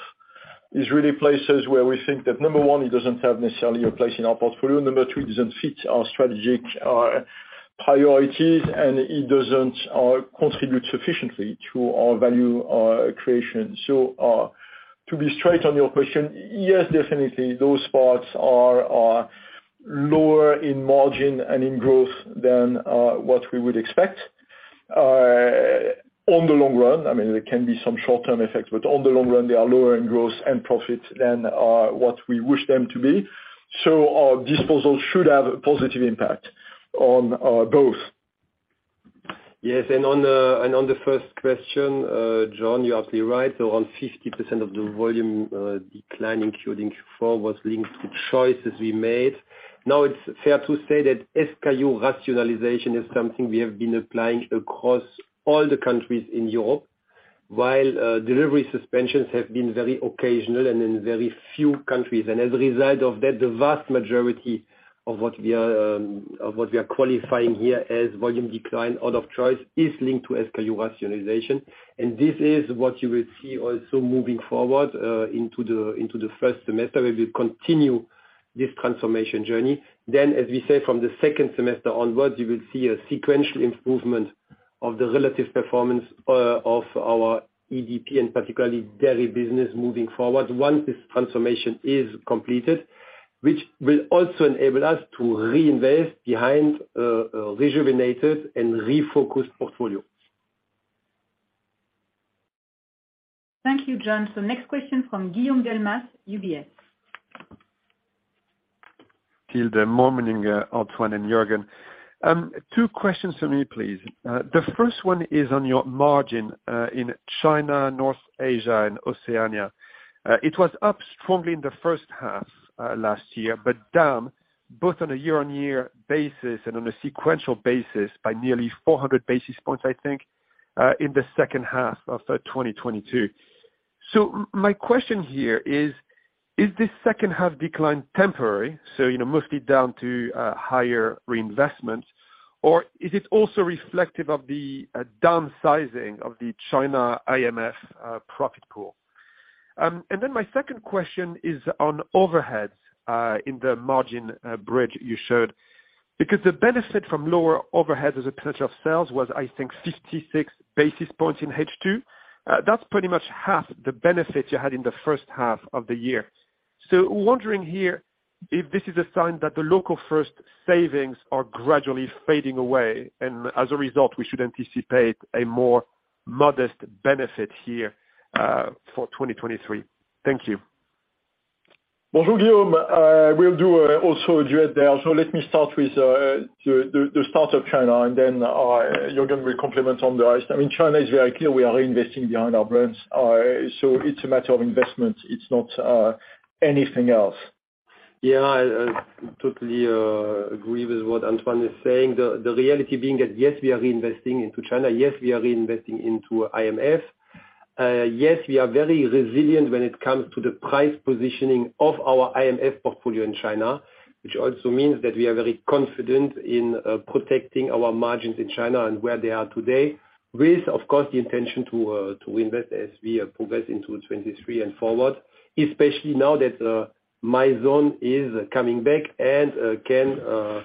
is really places where we think that, number one, it doesn't have necessarily a place in our portfolio. Number two, it doesn't fit our strategic priorities, and it doesn't contribute sufficiently to our value creation. To be straight on your question, yes, definitely those parts are lower in margin and in growth than what we would expect. On the long run, I mean, there can be some short-term effects, but on the long run, they are lower in growth and profit than what we wish them to be. Our disposal should have a positive impact on both. Yes, and on the first question, Jon, you're absolutely right. On 50% of the volume decline including Q4 was linked to choices we made. Now, it's fair to say that SKU rationalization is something we have been applying across all the countries in Europe, while delivery suspensions have been very occasional and in very few countries. As a result of that, the vast majority of what we are qualifying here as volume decline out of choice is linked to SKU rationalization. This is what you will see also moving forward into the first semester, where we'll continue this transformation journey. As we said, from the second semester onwards, you will see a sequential improvement of the relative performance of our EDP and particularly dairy business moving forward once this transformation is completed, which will also enable us to reinvest behind a rejuvenated and refocused portfolio. Thank you, Jon. Next question from Guillaume Delmas, UBS. Good morning, Antoine and Juergen. Two questions for me, please. The first one is on your margin in China, North Asia and Oceania. It was up strongly in the first half last year, but down both on a year-on-year basis and on a sequential basis by nearly 400 basis points, I think, in the second half of 2022. My question here is this second half decline temporary, so, you know, mostly down to higher reinvestment, or is it also reflective of the downsizing of the China IMF profit pool? My second question is on overheads in the margin bridge you showed. The benefit from lower overheads as a percentage of sales was, I think, 56 basis points in H2. That's pretty much half the benefit you had in the first half of the year. Wondering here, if this is a sign that the Local First savings are gradually fading away, and as a result, we should anticipate a more modest benefit here for 2023. Thank you. Bonjour, Guillaume. We'll do also a direct dial. Let me start with the start of China, and then Juergen will complement on the rest. China is very clear, we are reinvesting behind our brands. It's a matter of investment. It's not anything else. Yeah, I totally agree with what Antoine is saying. The reality being that yes, we are reinvesting into China. Yes, we are reinvesting into IMF. Yes, we are very resilient when it comes to the price positioning of our IMF portfolio in China, which also means that we are very confident in protecting our margins in China and where they are today. With, of course, the intention to invest as we progress into 2023 and forward, especially now that Mizone is coming back and can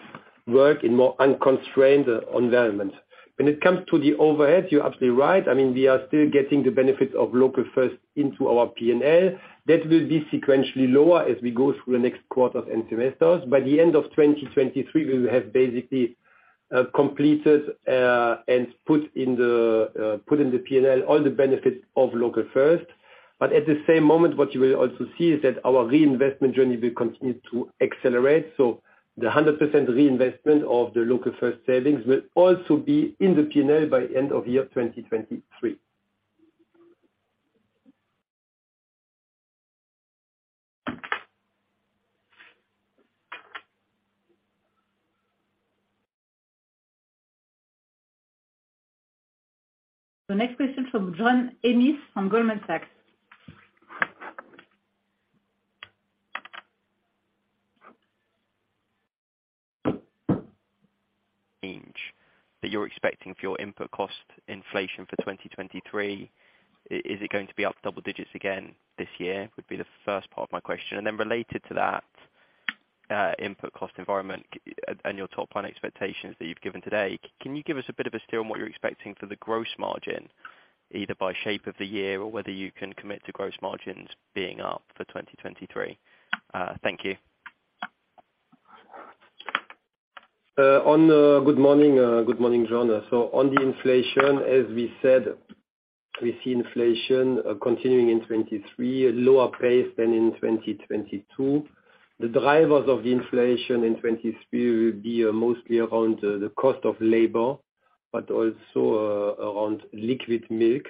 work in more unconstrained environment. When it comes to the overhead, you're absolutely right. I mean, we are still getting the benefits of Local First into our P&L. That will be sequentially lower as we go through the next quarters and semesters. By the end of 2023, we will have basically, completed, and put in the P&L all the benefits of local first. At the same moment, what you will also see is that our reinvestment journey will continue to accelerate. The 100% reinvestment of the local first savings will also be in the P&L by end of year 2023. The next question from John Ennis from Goldman Sachs. range that you're expecting for your input cost inflation for 2023. Is it going to be up double digits again this year? Would be the first part of my question. Then related to that, input cost environment and your top line expectations that you've given today, can you give us a bit of a steer on what you're expecting for the gross margin, either by shape of the year or whether you can commit to gross margins being up for 2023? Thank you. Good morning, good morning, John. On the inflation, as we said, we see inflation continuing in 2023 at lower pace than in 2022. The drivers of the inflation in 2023 will be mostly around the cost of labor, but also around liquid milk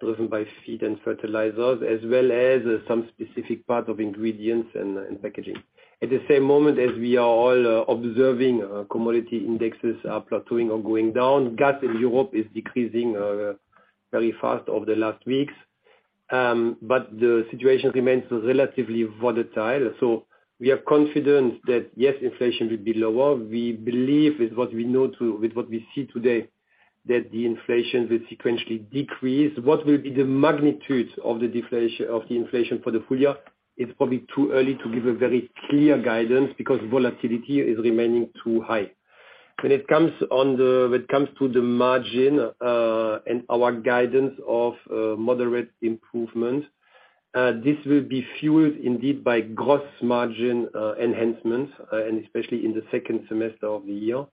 driven by feed and fertilizers, as well as some specific part of ingredients and packaging. At the same moment, as we are all observing commodity indexes are plateauing or going down. Gas in Europe is decreasing very fast over the last weeks. The situation remains relatively volatile. We are confident that yes, inflation will be lower. We believe with what we know with what we see today, that the inflation will sequentially decrease. What will be the magnitude of the inflation for the full year, it's probably too early to give a very clear guidance because volatility is remaining too high. When it comes to the margin, and our guidance of moderate improvement, this will be fueled indeed by gross margin enhancements, and especially in the second semester of the year.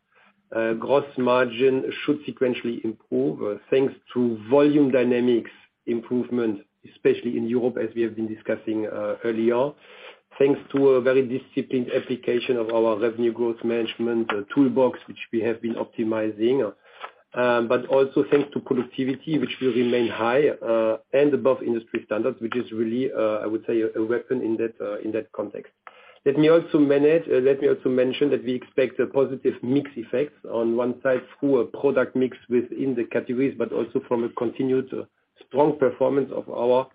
Gross margin should sequentially improve, thanks to volume dynamics improvement, especially in Europe, as we have been discussing earlier. Thanks to a very disciplined application of our revenue growth management toolbox, which we have been optimizing. Also thanks to productivity, which will remain high, and above industry standards, which is really, I would say, a weapon in that context. Let me also mention that we expect a positive mix effect on one side through a product mix within the categories, but also from a continued strong performance of our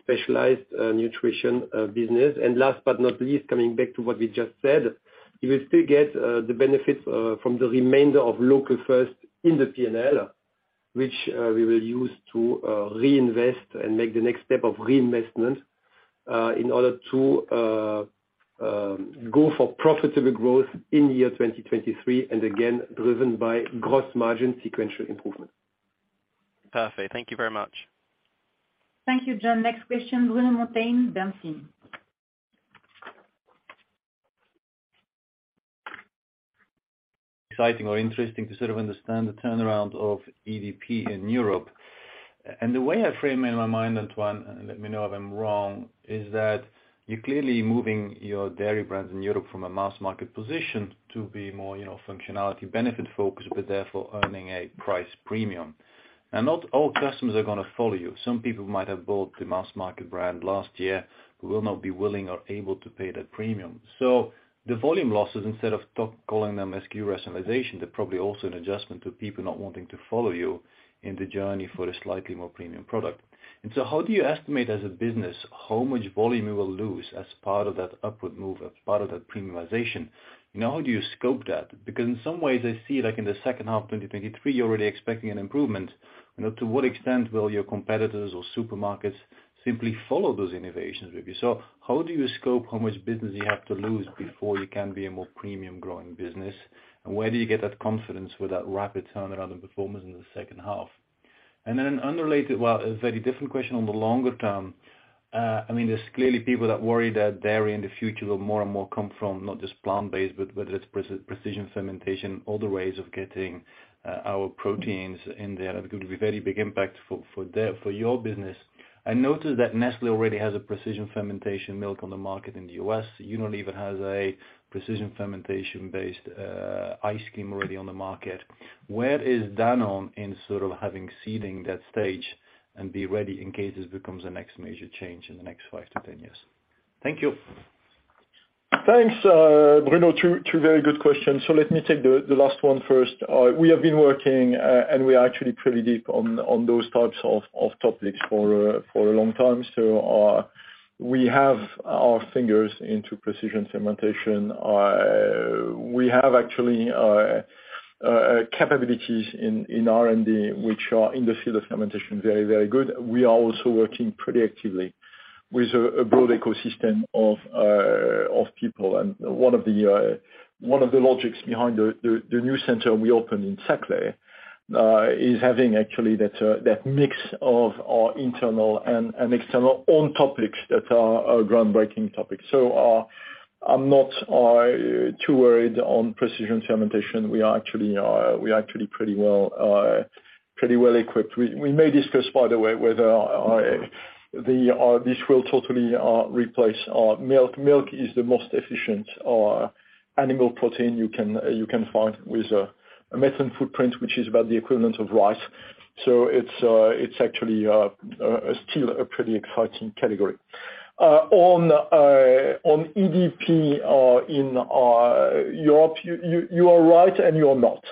specialized nutrition business. Last but not least, coming back to what we just said, you will still get the benefit from the remainder of Local First in the P&L, which we will use to reinvest and make the next step of reinvestment in order to go for profitable growth in the year 2023, again, driven by gross margin sequential improvement. Perfect. Thank you very much. Thank you, John. Next question, Bruno Monteyne, Bernstein. Exciting or interesting to sort of understand the turnaround of EDP in Europe. The way I frame it in my mind, Antoine, and let me know if I'm wrong, is that you're clearly moving your dairy brands in Europe from a mass market position to be more, you know, functionality benefit focused, but therefore earning a price premium. Not all customers are gonna follow you. Some people might have bought the mass market brand last year who will not be willing or able to pay that premium. The volume losses, instead of calling them SKU rationalization, they're probably also an adjustment to people not wanting to follow you in the journey for a slightly more premium product. How do you estimate as a business how much volume you will lose as part of that upward move, as part of that premiumization? You know, how do you scope that? Because in some ways, I see like in the second half 2023, you're already expecting an improvement. You know, to what extent will your competitors or supermarkets simply follow those innovations with you? So how do you scope how much business you have to lose before you can be a more premium growing business? And where do you get that confidence for that rapid turnaround and performance in the second half? Then an unrelated, well, a very different question on the longer term. I mean, there's clearly people that worry that dairy in the future will more and more come from not just plant-based, but whether it's precision fermentation, other ways of getting, our proteins in there that could be very big impact for their, for your business. I noticed that Nestlé already has a precision fermentation milk on the market in the U.S. Unilever has a precision fermentation-based ice cream already on the market. Where is Danone in sort of having seeding that stage and be ready in case this becomes the next major change in the next five to 10 years? Thank you. Thanks, Bruno. Two very good questions, let me take the last one first. We have been working and we are actually pretty deep on those types of topics for a long time. We have our fingers into precision fermentation. We have actually capabilities in R&D which are in the field of fermentation very good. We are also working pretty actively with a broad ecosystem of people. One of the logics behind the new center we opened in Saclay is having actually that mix of our internal and external on topics that are groundbreaking topics. I'm not too worried on precision fermentation. We are actually pretty well equipped. We may discuss, by the way, whether the this will totally replace milk. Milk is the most efficient animal protein you can find with a methane footprint which is about the equivalent of rice. It's actually still a pretty exciting category. On EDP in Europe, you are right and you are not.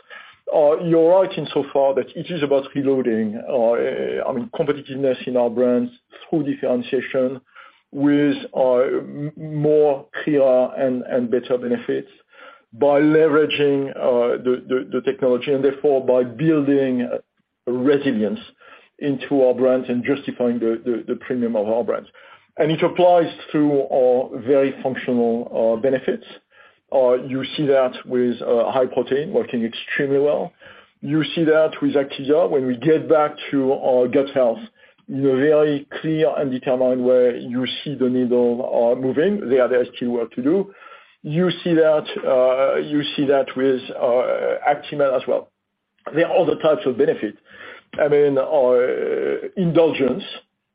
You are right insofar that it is about reloading, I mean, competitiveness in our brands through differentiation with more clearer and better benefits by leveraging the technology, and therefore by building resilience into our brands and justifying the premium of our brands. It applies to our very functional benefits. You see that with high protein working extremely well. You see that with Activia. When we get back to gut health in a very clear and determined way, you see the needle moving, there is still work to do. You see that, you see that with Actimel as well. There are other types of benefit. I mean, indulgence,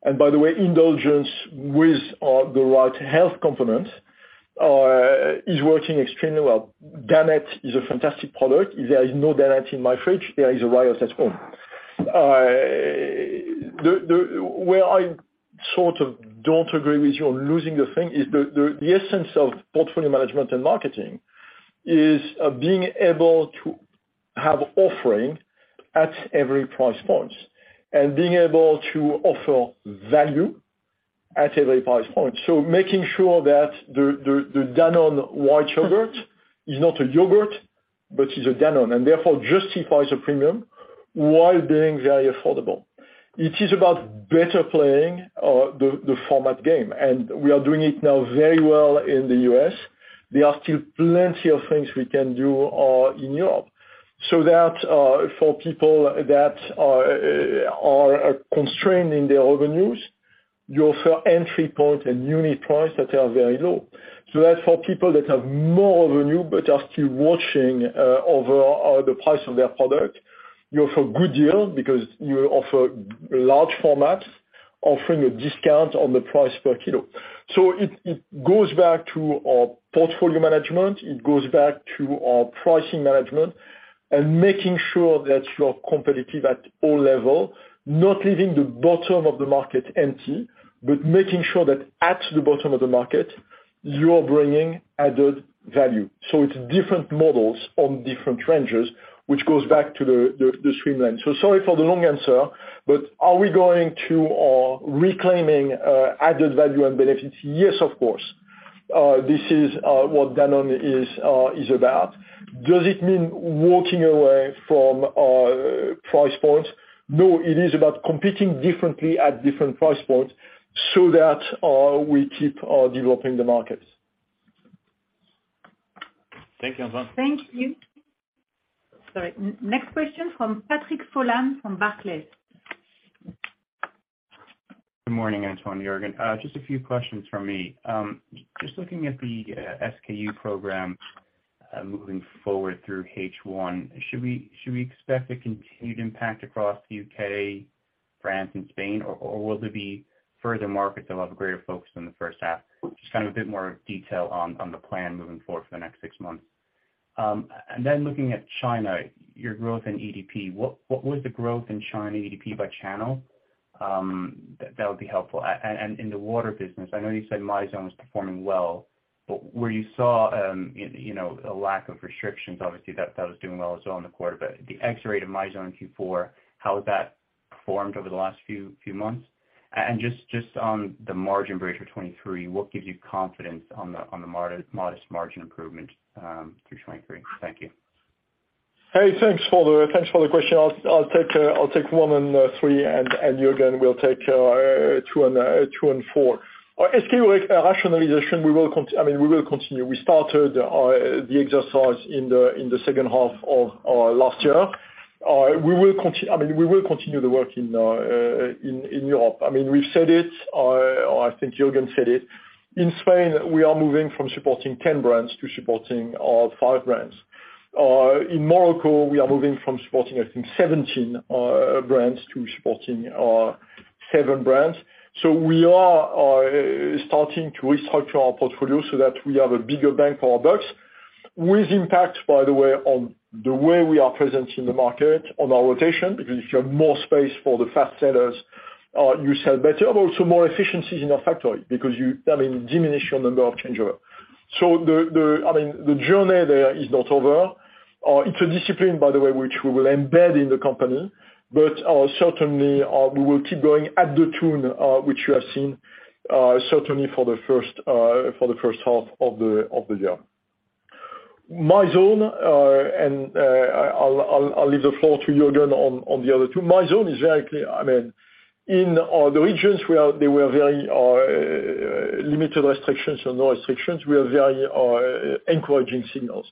and by the way, indulgence with the right health component, is working extremely well. Danette is a fantastic product. If there is no Danette in my fridge, there is a riot at home. Where I sort of don't agree with you on losing the thing is the essence of portfolio management and marketing is being able to have offering at every price point, and being able to offer value at every price point. Making sure that the Danone white yogurt is not a yogurt, but is a Danone, and therefore justifies a premium while being very affordable. It is about better playing the format game, and we are doing it now very well in the U.S. There are still plenty of things we can do in Europe. That for people that are constrained in their revenues, you offer entry point and unit price that are very low. That for people that have more revenue but are still watching over the price of their product, you offer good deal because you offer large formats offering a discount on the price per kilo. It goes back to our portfolio management. It goes back to our pricing management and making sure that you're competitive at all level, not leaving the bottom of the market empty, but making sure that at the bottom of the market you're bringing added value. It's different models on different ranges, which goes back to the streamline. Sorry for the long answer, but are we going to reclaiming added value and benefits? Yes, of course. This is what Danone is about. Does it mean walking away from price points? No, it is about competing differently at different price points so that we keep developing the markets. Thank you, Antoine. Thank you. Next question from Patrick Folan from Barclays. Good morning, Antoine, Juergen. Just a few questions from me. Just looking at the SKU program, moving forward through H1, should we expect a continued impact across U.K., France, and Spain, or will there be further markets that will have a greater focus in the first half? Just kind of a bit more detail on the plan moving forward for the next six months. Looking at China, your growth in EDP, what was the growth in China EDP by channel? That would be helpful. In the water business, I know you said Mizone was performing well, but where you saw a lack of restrictions, obviously that was doing well as well in the quarter, but the x-rate of Mizone in Q4, how has that performed over the last few months? Just on the margin bridge for 2023, what gives you confidence on the modest margin improvement through 2023? Thank you. Hey, thanks for the question. I'll take one and three, and Juergen will take two and four. Our SKU rationalization, I mean, we will continue. We started the exercise in the second half of last year. I mean, we will continue the work in Europe. I mean, we've said it, or I think Juergen said it. In Spain, we are moving from supporting 10 brands to supporting five brands. In Morocco, we are moving from supporting, I think 17 brands to supporting seven brands. We are starting to restructure our portfolio so that we have a bigger bang for our bucks with impact, by the way, on the way we are present in the market on our rotation. If you have more space for the fast sellers, you sell better, but also more efficiencies in your factory because you, I mean, diminish your number of changeover. The, I mean, the journey there is not over. It's a discipline, by the way, which we will embed in the company. Certainly, we will keep going at the tune which you have seen certainly for the first half of the year. My zone, I'll leave the floor to Juergen on the other two. My zone is very clear. I mean, in the regions where there were very limited restrictions or no restrictions, we are very encouraging signals.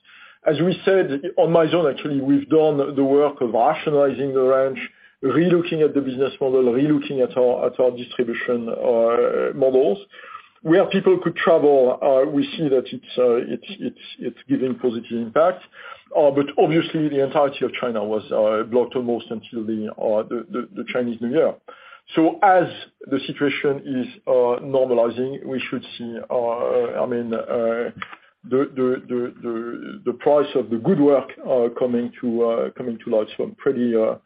As we said, on Mizone actually, we've done the work of rationalizing the range, re-looking at the business model, re-looking at our distribution models. Where people could travel, we see that it's giving positive impact. Obviously, the entirety of China was blocked almost until the Chinese New Year. As the situation is normalizing, we should see, I mean, the price of the good work coming to light.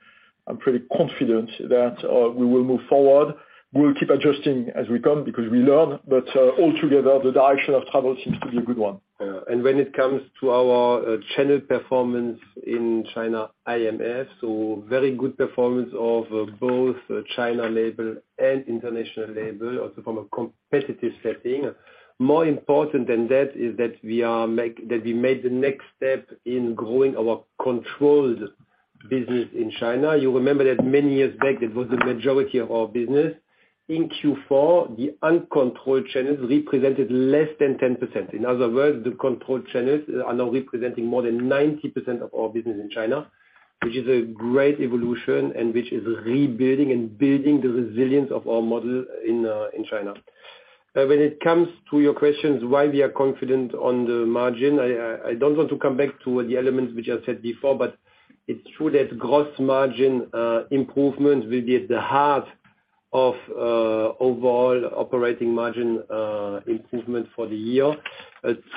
I'm pretty confident that we will move forward. We'll keep adjusting as we come because we learn. Altogether, the direction of travel seems to be a good one. When it comes to our channel performance in China IMF, very good performance of both China label and international label, also from a competitive setting. More important than that is that we made the next step in growing our controlled business in China. You remember that many years back, that was the majority of our business. In Q4, the uncontrolled channels represented less than 10%. In other words, the controlled channels are now representing more than 90% of our business in China, which is a great evolution and which is rebuilding and building the resilience of our model in China. When it comes to your questions, why we are confident on the margin, I don't want to come back to the elements which I said before, it's true that gross margin improvement will be at the heart of overall operating margin improvement for the year.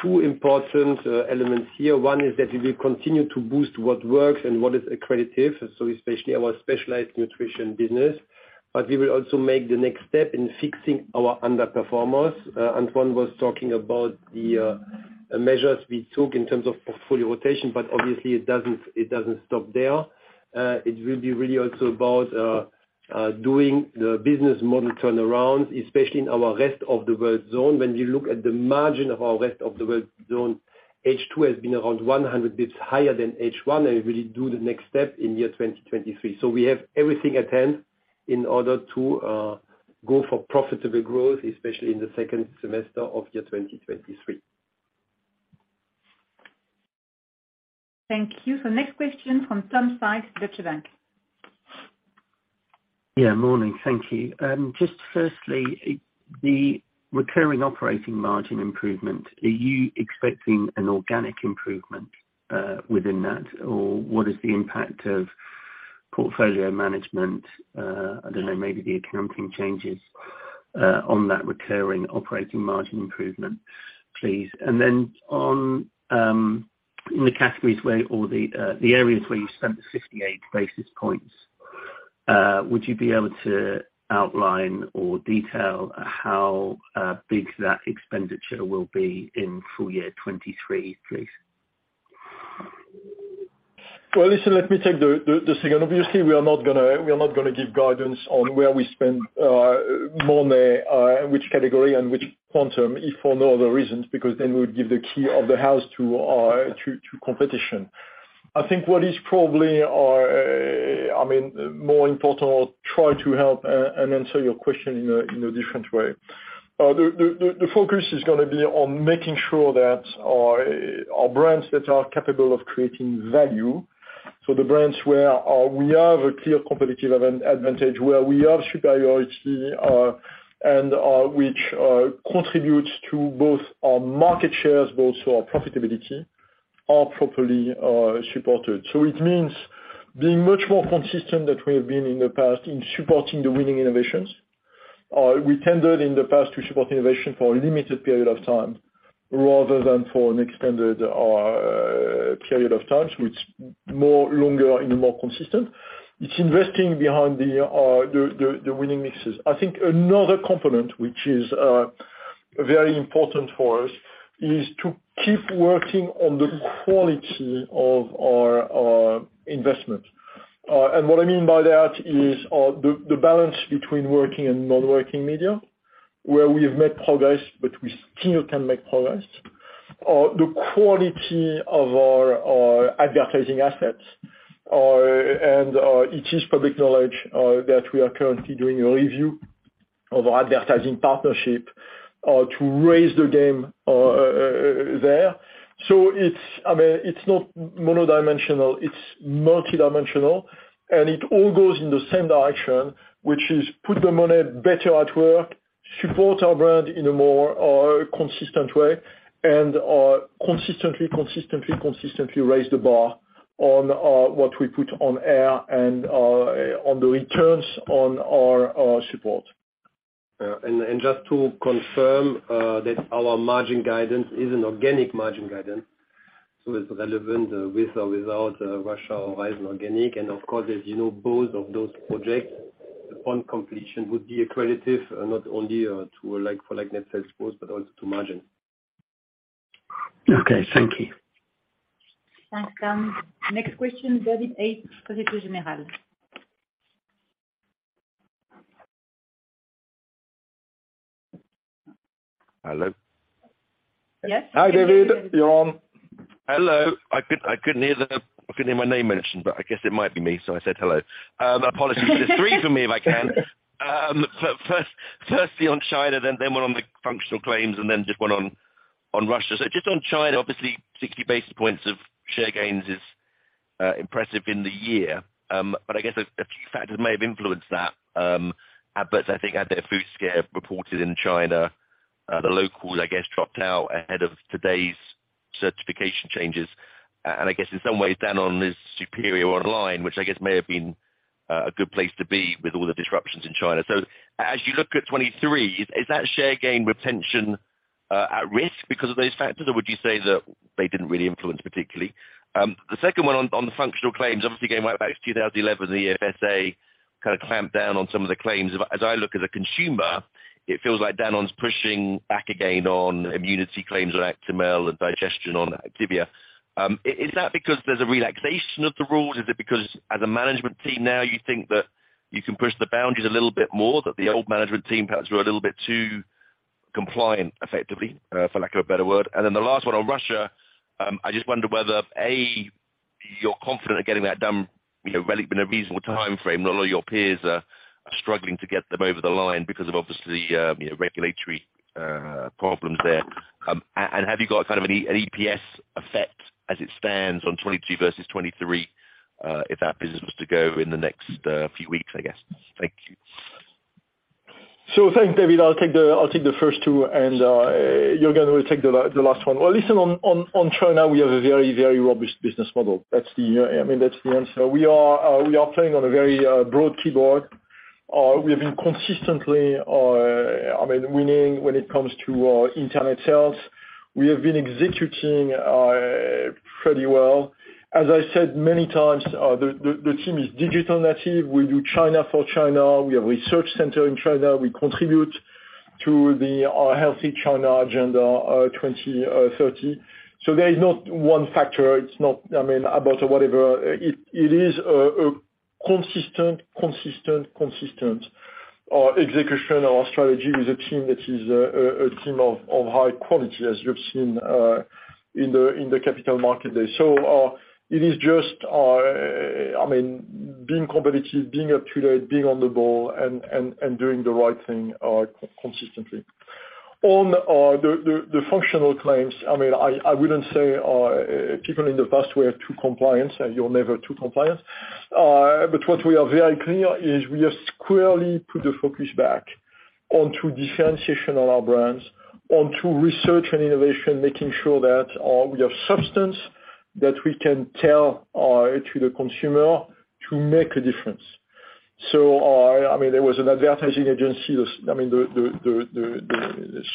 Two important elements here. One is that we will continue to boost what works and what is accretive, so especially our specialized nutrition business. We will also make the next step in fixing our underperformers. Antoine was talking about the measures we took in terms of portfolio rotation, obviously it doesn't stop there. It will be really also about doing the business model turnaround, especially in our rest of the world zone. When you look at the margin of our rest of the world zone, H2 has been around 100 basis points than H1, and we will do the next step in year 2023. We have everything at hand in order to go for profitable growth, especially in the second semester of 2023. Thank you. Next question from Tom Sykes, Deutsche Bank. Yeah, morning. Thank you. Just firstly, the recurring operating margin improvement, are you expecting an organic improvement, within that? Or what is the impact of portfolio management, I don't know, maybe the accounting changes, on that recurring operating margin improvement, please? In the categories where, or the areas where you spent the 68 basis points, would you be able to outline or detail how big that expenditure will be in full-year 2023, please? Well, listen, let me take the second. Obviously, we are not gonna give guidance on where we spend money, which category and which quantum, if for no other reasons, because then we'll give the key of the house to competition. I think what is probably, I mean, more important or try to help and answer your question in a different way. The focus is gonna be on making sure that our brands that are capable of creating value, so the brands where we have a clear competitive advantage, where we have superiority, and which contributes to both our market shares, but also our profitability, are properly supported. It means being much more consistent than we have been in the past in supporting the winning innovations. We tended in the past to support innovation for a limited period of time rather than for an extended period of time, which more longer and more consistent. It's investing behind the winning mixes. I think another component which is very important for us is to keep working on the quality of our investment. What I mean by that is the balance between working and non-working media, where we have made progress, but we still can make progress. The quality of our advertising assets. It is public knowledge that we are currently doing a review of our advertising partnership to raise the game there. It's, I mean, it's not monodimensional, it's multidimensional, and it all goes in the same direction, which is put the money better at work, support our brand in a more consistent way, and consistently raise the bar on what we put on air and on the returns on our support. Just to confirm, that our margin guidance is an organic margin guidance, so it's relevant with or without Russia or Horizon Organic. Of course, as you know, both of those projects upon completion would be accretive not only to like for like net sales growth but also to margin. Okay, thank you. Thanks, Tom. Next question, David Hayes, Société Générale. Hello? Yes. Hi, David. You're on. Hello. I couldn't hear my name mentioned, but I guess it might be me, so I said hello. Apologies. three from me, if I can. Firstly on China, then one on the functional claims, and then just one on Russia. Just on China, obviously 60 basis points of share gains is impressive in the year. I guess a few factors may have influenced that. I think Abbott's food scare reported in China, the locals, I guess, dropped out ahead of today's certification changes. I guess in some ways Danone is superior online, which I guess may have been a good place to be with all the disruptions in China. As you look at 2023, is that share gain retention at risk because of those factors? Would you say that they didn't really influence particularly? The second one on the functional claims, obviously going right back to 2011, the FSA kind of clamped down on some of the claims. As I look as a consumer, it feels like Danone's pushing back again on immunity claims on Actimel and digestion on Activia. Is that because there's a relaxation of the rules? Is it because as a management team now you think that you can push the boundaries a little bit more, that the old management team perhaps were a little bit too compliant effectively, for lack of a better word? The last one on Russia, I just wonder whether you're confident of getting that done in a reasonable timeframe? Not all your peers are struggling to get them over the line because of obviously, you know, regulatory problems there. Have you got kind of an EPS effect as it stands on 2022 versus 2023, if that business was to go in the next few weeks, I guess? Thank you. Thanks, David. I'll take the first two, Juergen will take the last one. Listen on China, we have a very, very robust business model. That's the, I mean, that's the answer. We are playing on a very broad keyboard. We have been consistently, I mean, winning when it comes to internet sales. We have been executing pretty well. As I said many times, the team is digital native. We do China for China. We have research center in China. We contribute to the Healthy China agenda 2030. There is not one factor. It's not, I mean, about whatever. It is a consistent execution. Our strategy is a team that is a team of high quality, as you have seen in the Capital Market Day. It is just, I mean, being competitive, being accurate, being on the ball and doing the right thing consistently. On the functional claims, I mean, I wouldn't say people in the past were too compliant, you're never too compliant. What we are very clear is we have squarely put the focus back onto differentiation of our brands, onto research and innovation, making sure that we have substance that we can tell to the consumer to make a difference. I mean, there was an advertising agency, the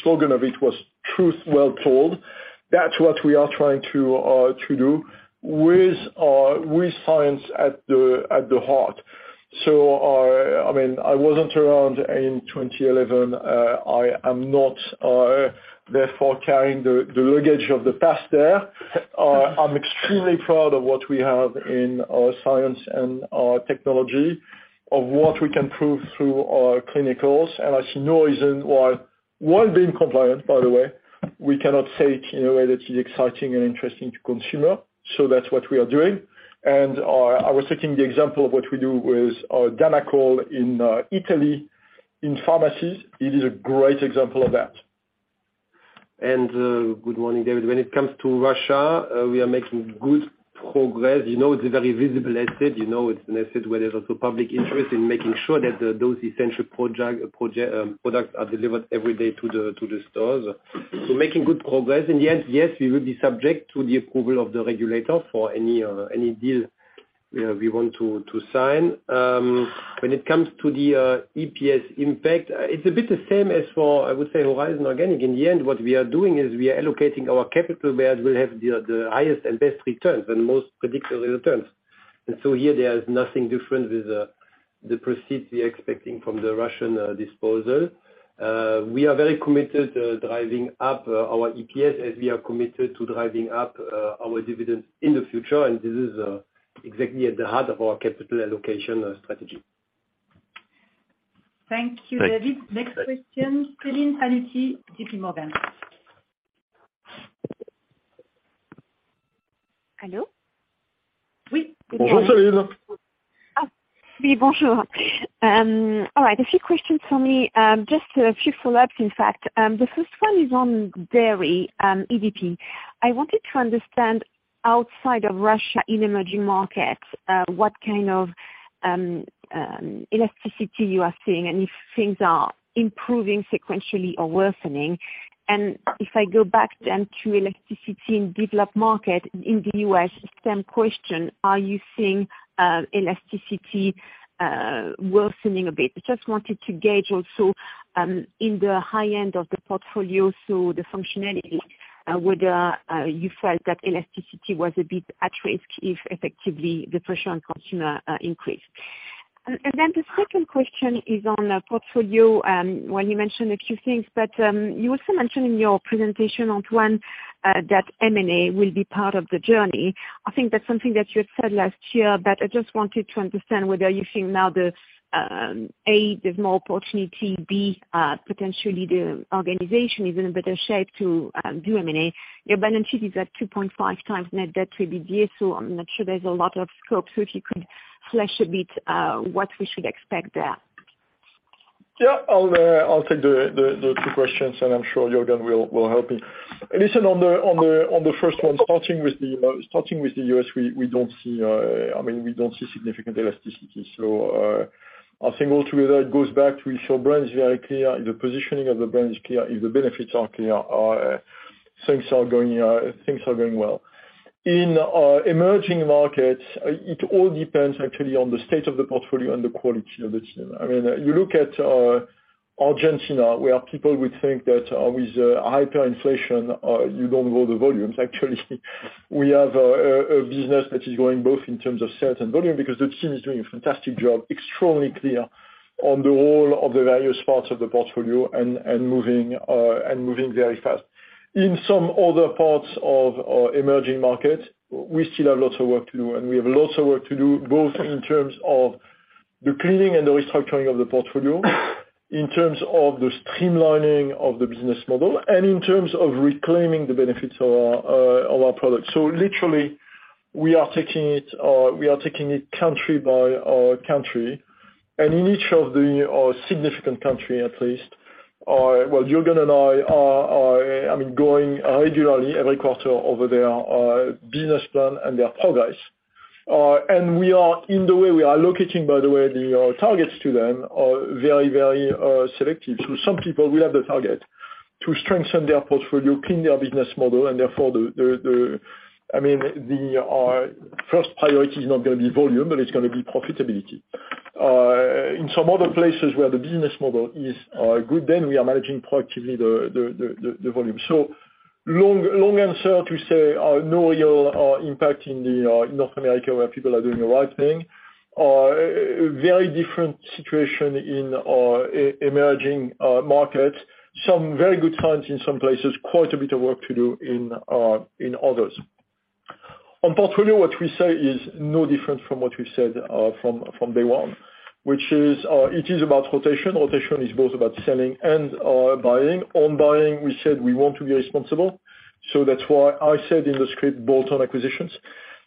slogan of it was, "Truth well told." That's what we are trying to do with science at the heart. I mean, I wasn't around in 2011. I am not therefore carrying the luggage of the past there. I'm extremely proud of what we have in our science and our technology, of what we can prove through our clinicals. I see no reason why, while being compliant, by the way, we cannot take in a way that is exciting and interesting to consumer. That's what we are doing. I was taking the example of what we do with Danacol in Italy in pharmacies. It is a great example of that. Good morning, David. When it comes to Russia, we are making good progress. You know, it's a very visible asset. You know, it's an asset where there's a public interest in making sure that those essential products are delivered every day to the stores. Making good progress. In the end, yes, we will be subject to the approval of the regulator for any any deal, you know, we want to sign. When it comes to the EPS impact, it's a bit the same as for, I would say, Horizon Organic. In the end, what we are doing is we are allocating our capital where it will have the highest and best returns and most predictable returns. Here there is nothing different with the proceeds we are expecting from the Russian disposal. We are very committed to driving up, our EPS as we are committed to driving up, our dividends in the future. This is, exactly at the heart of our capital allocation, strategy. Thank you, David. Next question, Celine Pannuti, JPMorgan. Hello? Oui, bonjour. All right. A few questions for me. Just a few follow-ups in fact. The first one is on dairy, EDP. I wanted to understand outside of Russia, in emerging markets, what kind of elasticity you are seeing and if things are improving sequentially or worsening. If I go back then to elasticity in developed market, in the U.S., same question. Are you seeing elasticity worsening a bit? Just wanted to gauge also, in the high end of the portfolio, so the functionality, whether you felt that elasticity was a bit at risk if effectively the pressure on consumer increased. Then the second question is on portfolio, when you mentioned a few things, but you also mentioned in your presentation, Antoine, that M&A will be part of the journey. I think that's something that you had said last year, but I just wanted to understand whether you think now the A, there's more opportunity, B, potentially the organization is in a better shape to do M&A. Your balance sheet is at 2.5x net debt to EBITDA, I'm not sure there's a lot of scope. If you could flesh a bit what we should expect there. Yeah. I'll take the two questions, I'm sure Juergen will help me. Listen, on the first one, starting with the U.S., we don't see, I mean, we don't see significant elasticity. I think altogether it goes back to if your brand is very clear, if the positioning of the brand is clear, if the benefits are clear, things are going, things are going well. In emerging markets, it all depends actually on the state of the portfolio and the quality of the team. I mean, you look at Argentina, where people would think that with hyperinflation, you don't grow the volumes. Actually, we have a business that is growing both in terms of sales and volume because the team is doing a fantastic job, extremely clear on the role of the various parts of the portfolio and moving very fast. In some other parts of emerging markets, we still have lots of work to do, we have lots of work to do both in terms of the cleaning and the restructuring of the portfolio, in terms of the streamlining of the business model, and in terms of reclaiming the benefits of our products. Literally, we are taking it country by country. In each of the significant country at least, well, Juergen and I are, I mean, going regularly every quarter over their business plan and their progress. In the way we are allocating, by the way, the targets to them are very, very selective. To some people, we have the target to strengthen their portfolio, clean their business model, and therefore the first priority is not gonna be volume, but it's gonna be profitability. In some other places where the business model is good, then we are managing proactively the volume. Long answer to say no real impact in North America where people are doing the right thing. Very different situation in emerging markets. Some very good signs in some places, quite a bit of work to do in others. On portfolio, what we say is no different from what we said from day one, which is it is about rotation. Rotation is both about selling and buying. On buying, we said we want to be responsible, that's why I said in the script bolt-on acquisitions,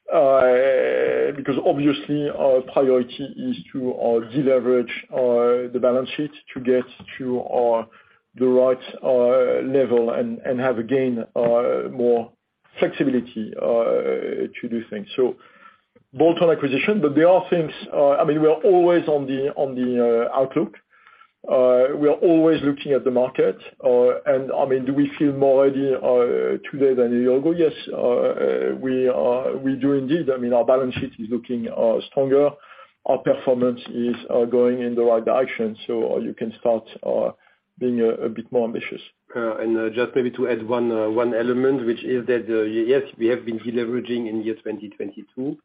because obviously our priority is to deleverage the balance sheet to get to the right level and have, again, more flexibility to do things. Bolt-on acquisition. There are things. I mean, we are always on the outlook. We are always looking at the market. I mean, do we feel more ready today than a year ago? Yes, we are, we do indeed. I mean, our balance sheet is looking stronger. Our performance is going in the right direction, so you can start being a bit more ambitious. Just maybe to add one element, which is that, yes, we have been deleveraging in year 2022,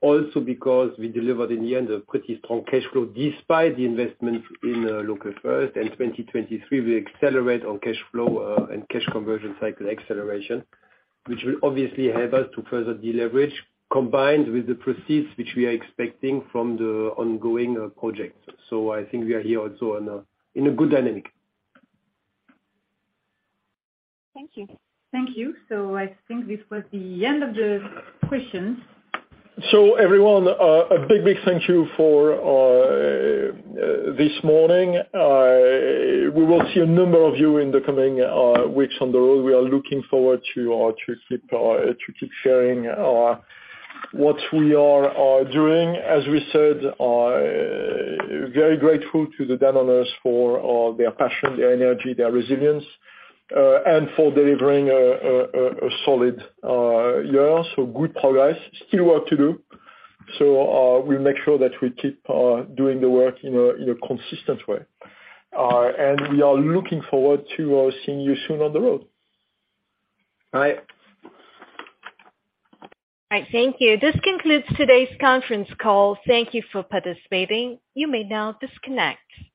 also because we delivered in the end a pretty strong cash flow despite the investment in Local First. In 2023, we accelerate on cash flow and cash conversion cycle acceleration, which will obviously help us to further deleverage, combined with the proceeds which we are expecting from the ongoing projects. I think we are here also in a good dynamic. Thank you. Thank you. I think this was the end of the questions. Everyone, a big thank you for this morning. We will see a number of you in the coming weeks on the road. We are looking forward to keep sharing what we are doing. As we said, very grateful to the Danoners for their passion, their energy, their resilience, and for delivering a solid year, so good progress. Still work to do, we'll make sure that we keep doing the work in a consistent way. We are looking forward to seeing you soon on the road. Bye. All right. Thank you. This concludes today's conference call. Thank you for participating. You may now disconnect.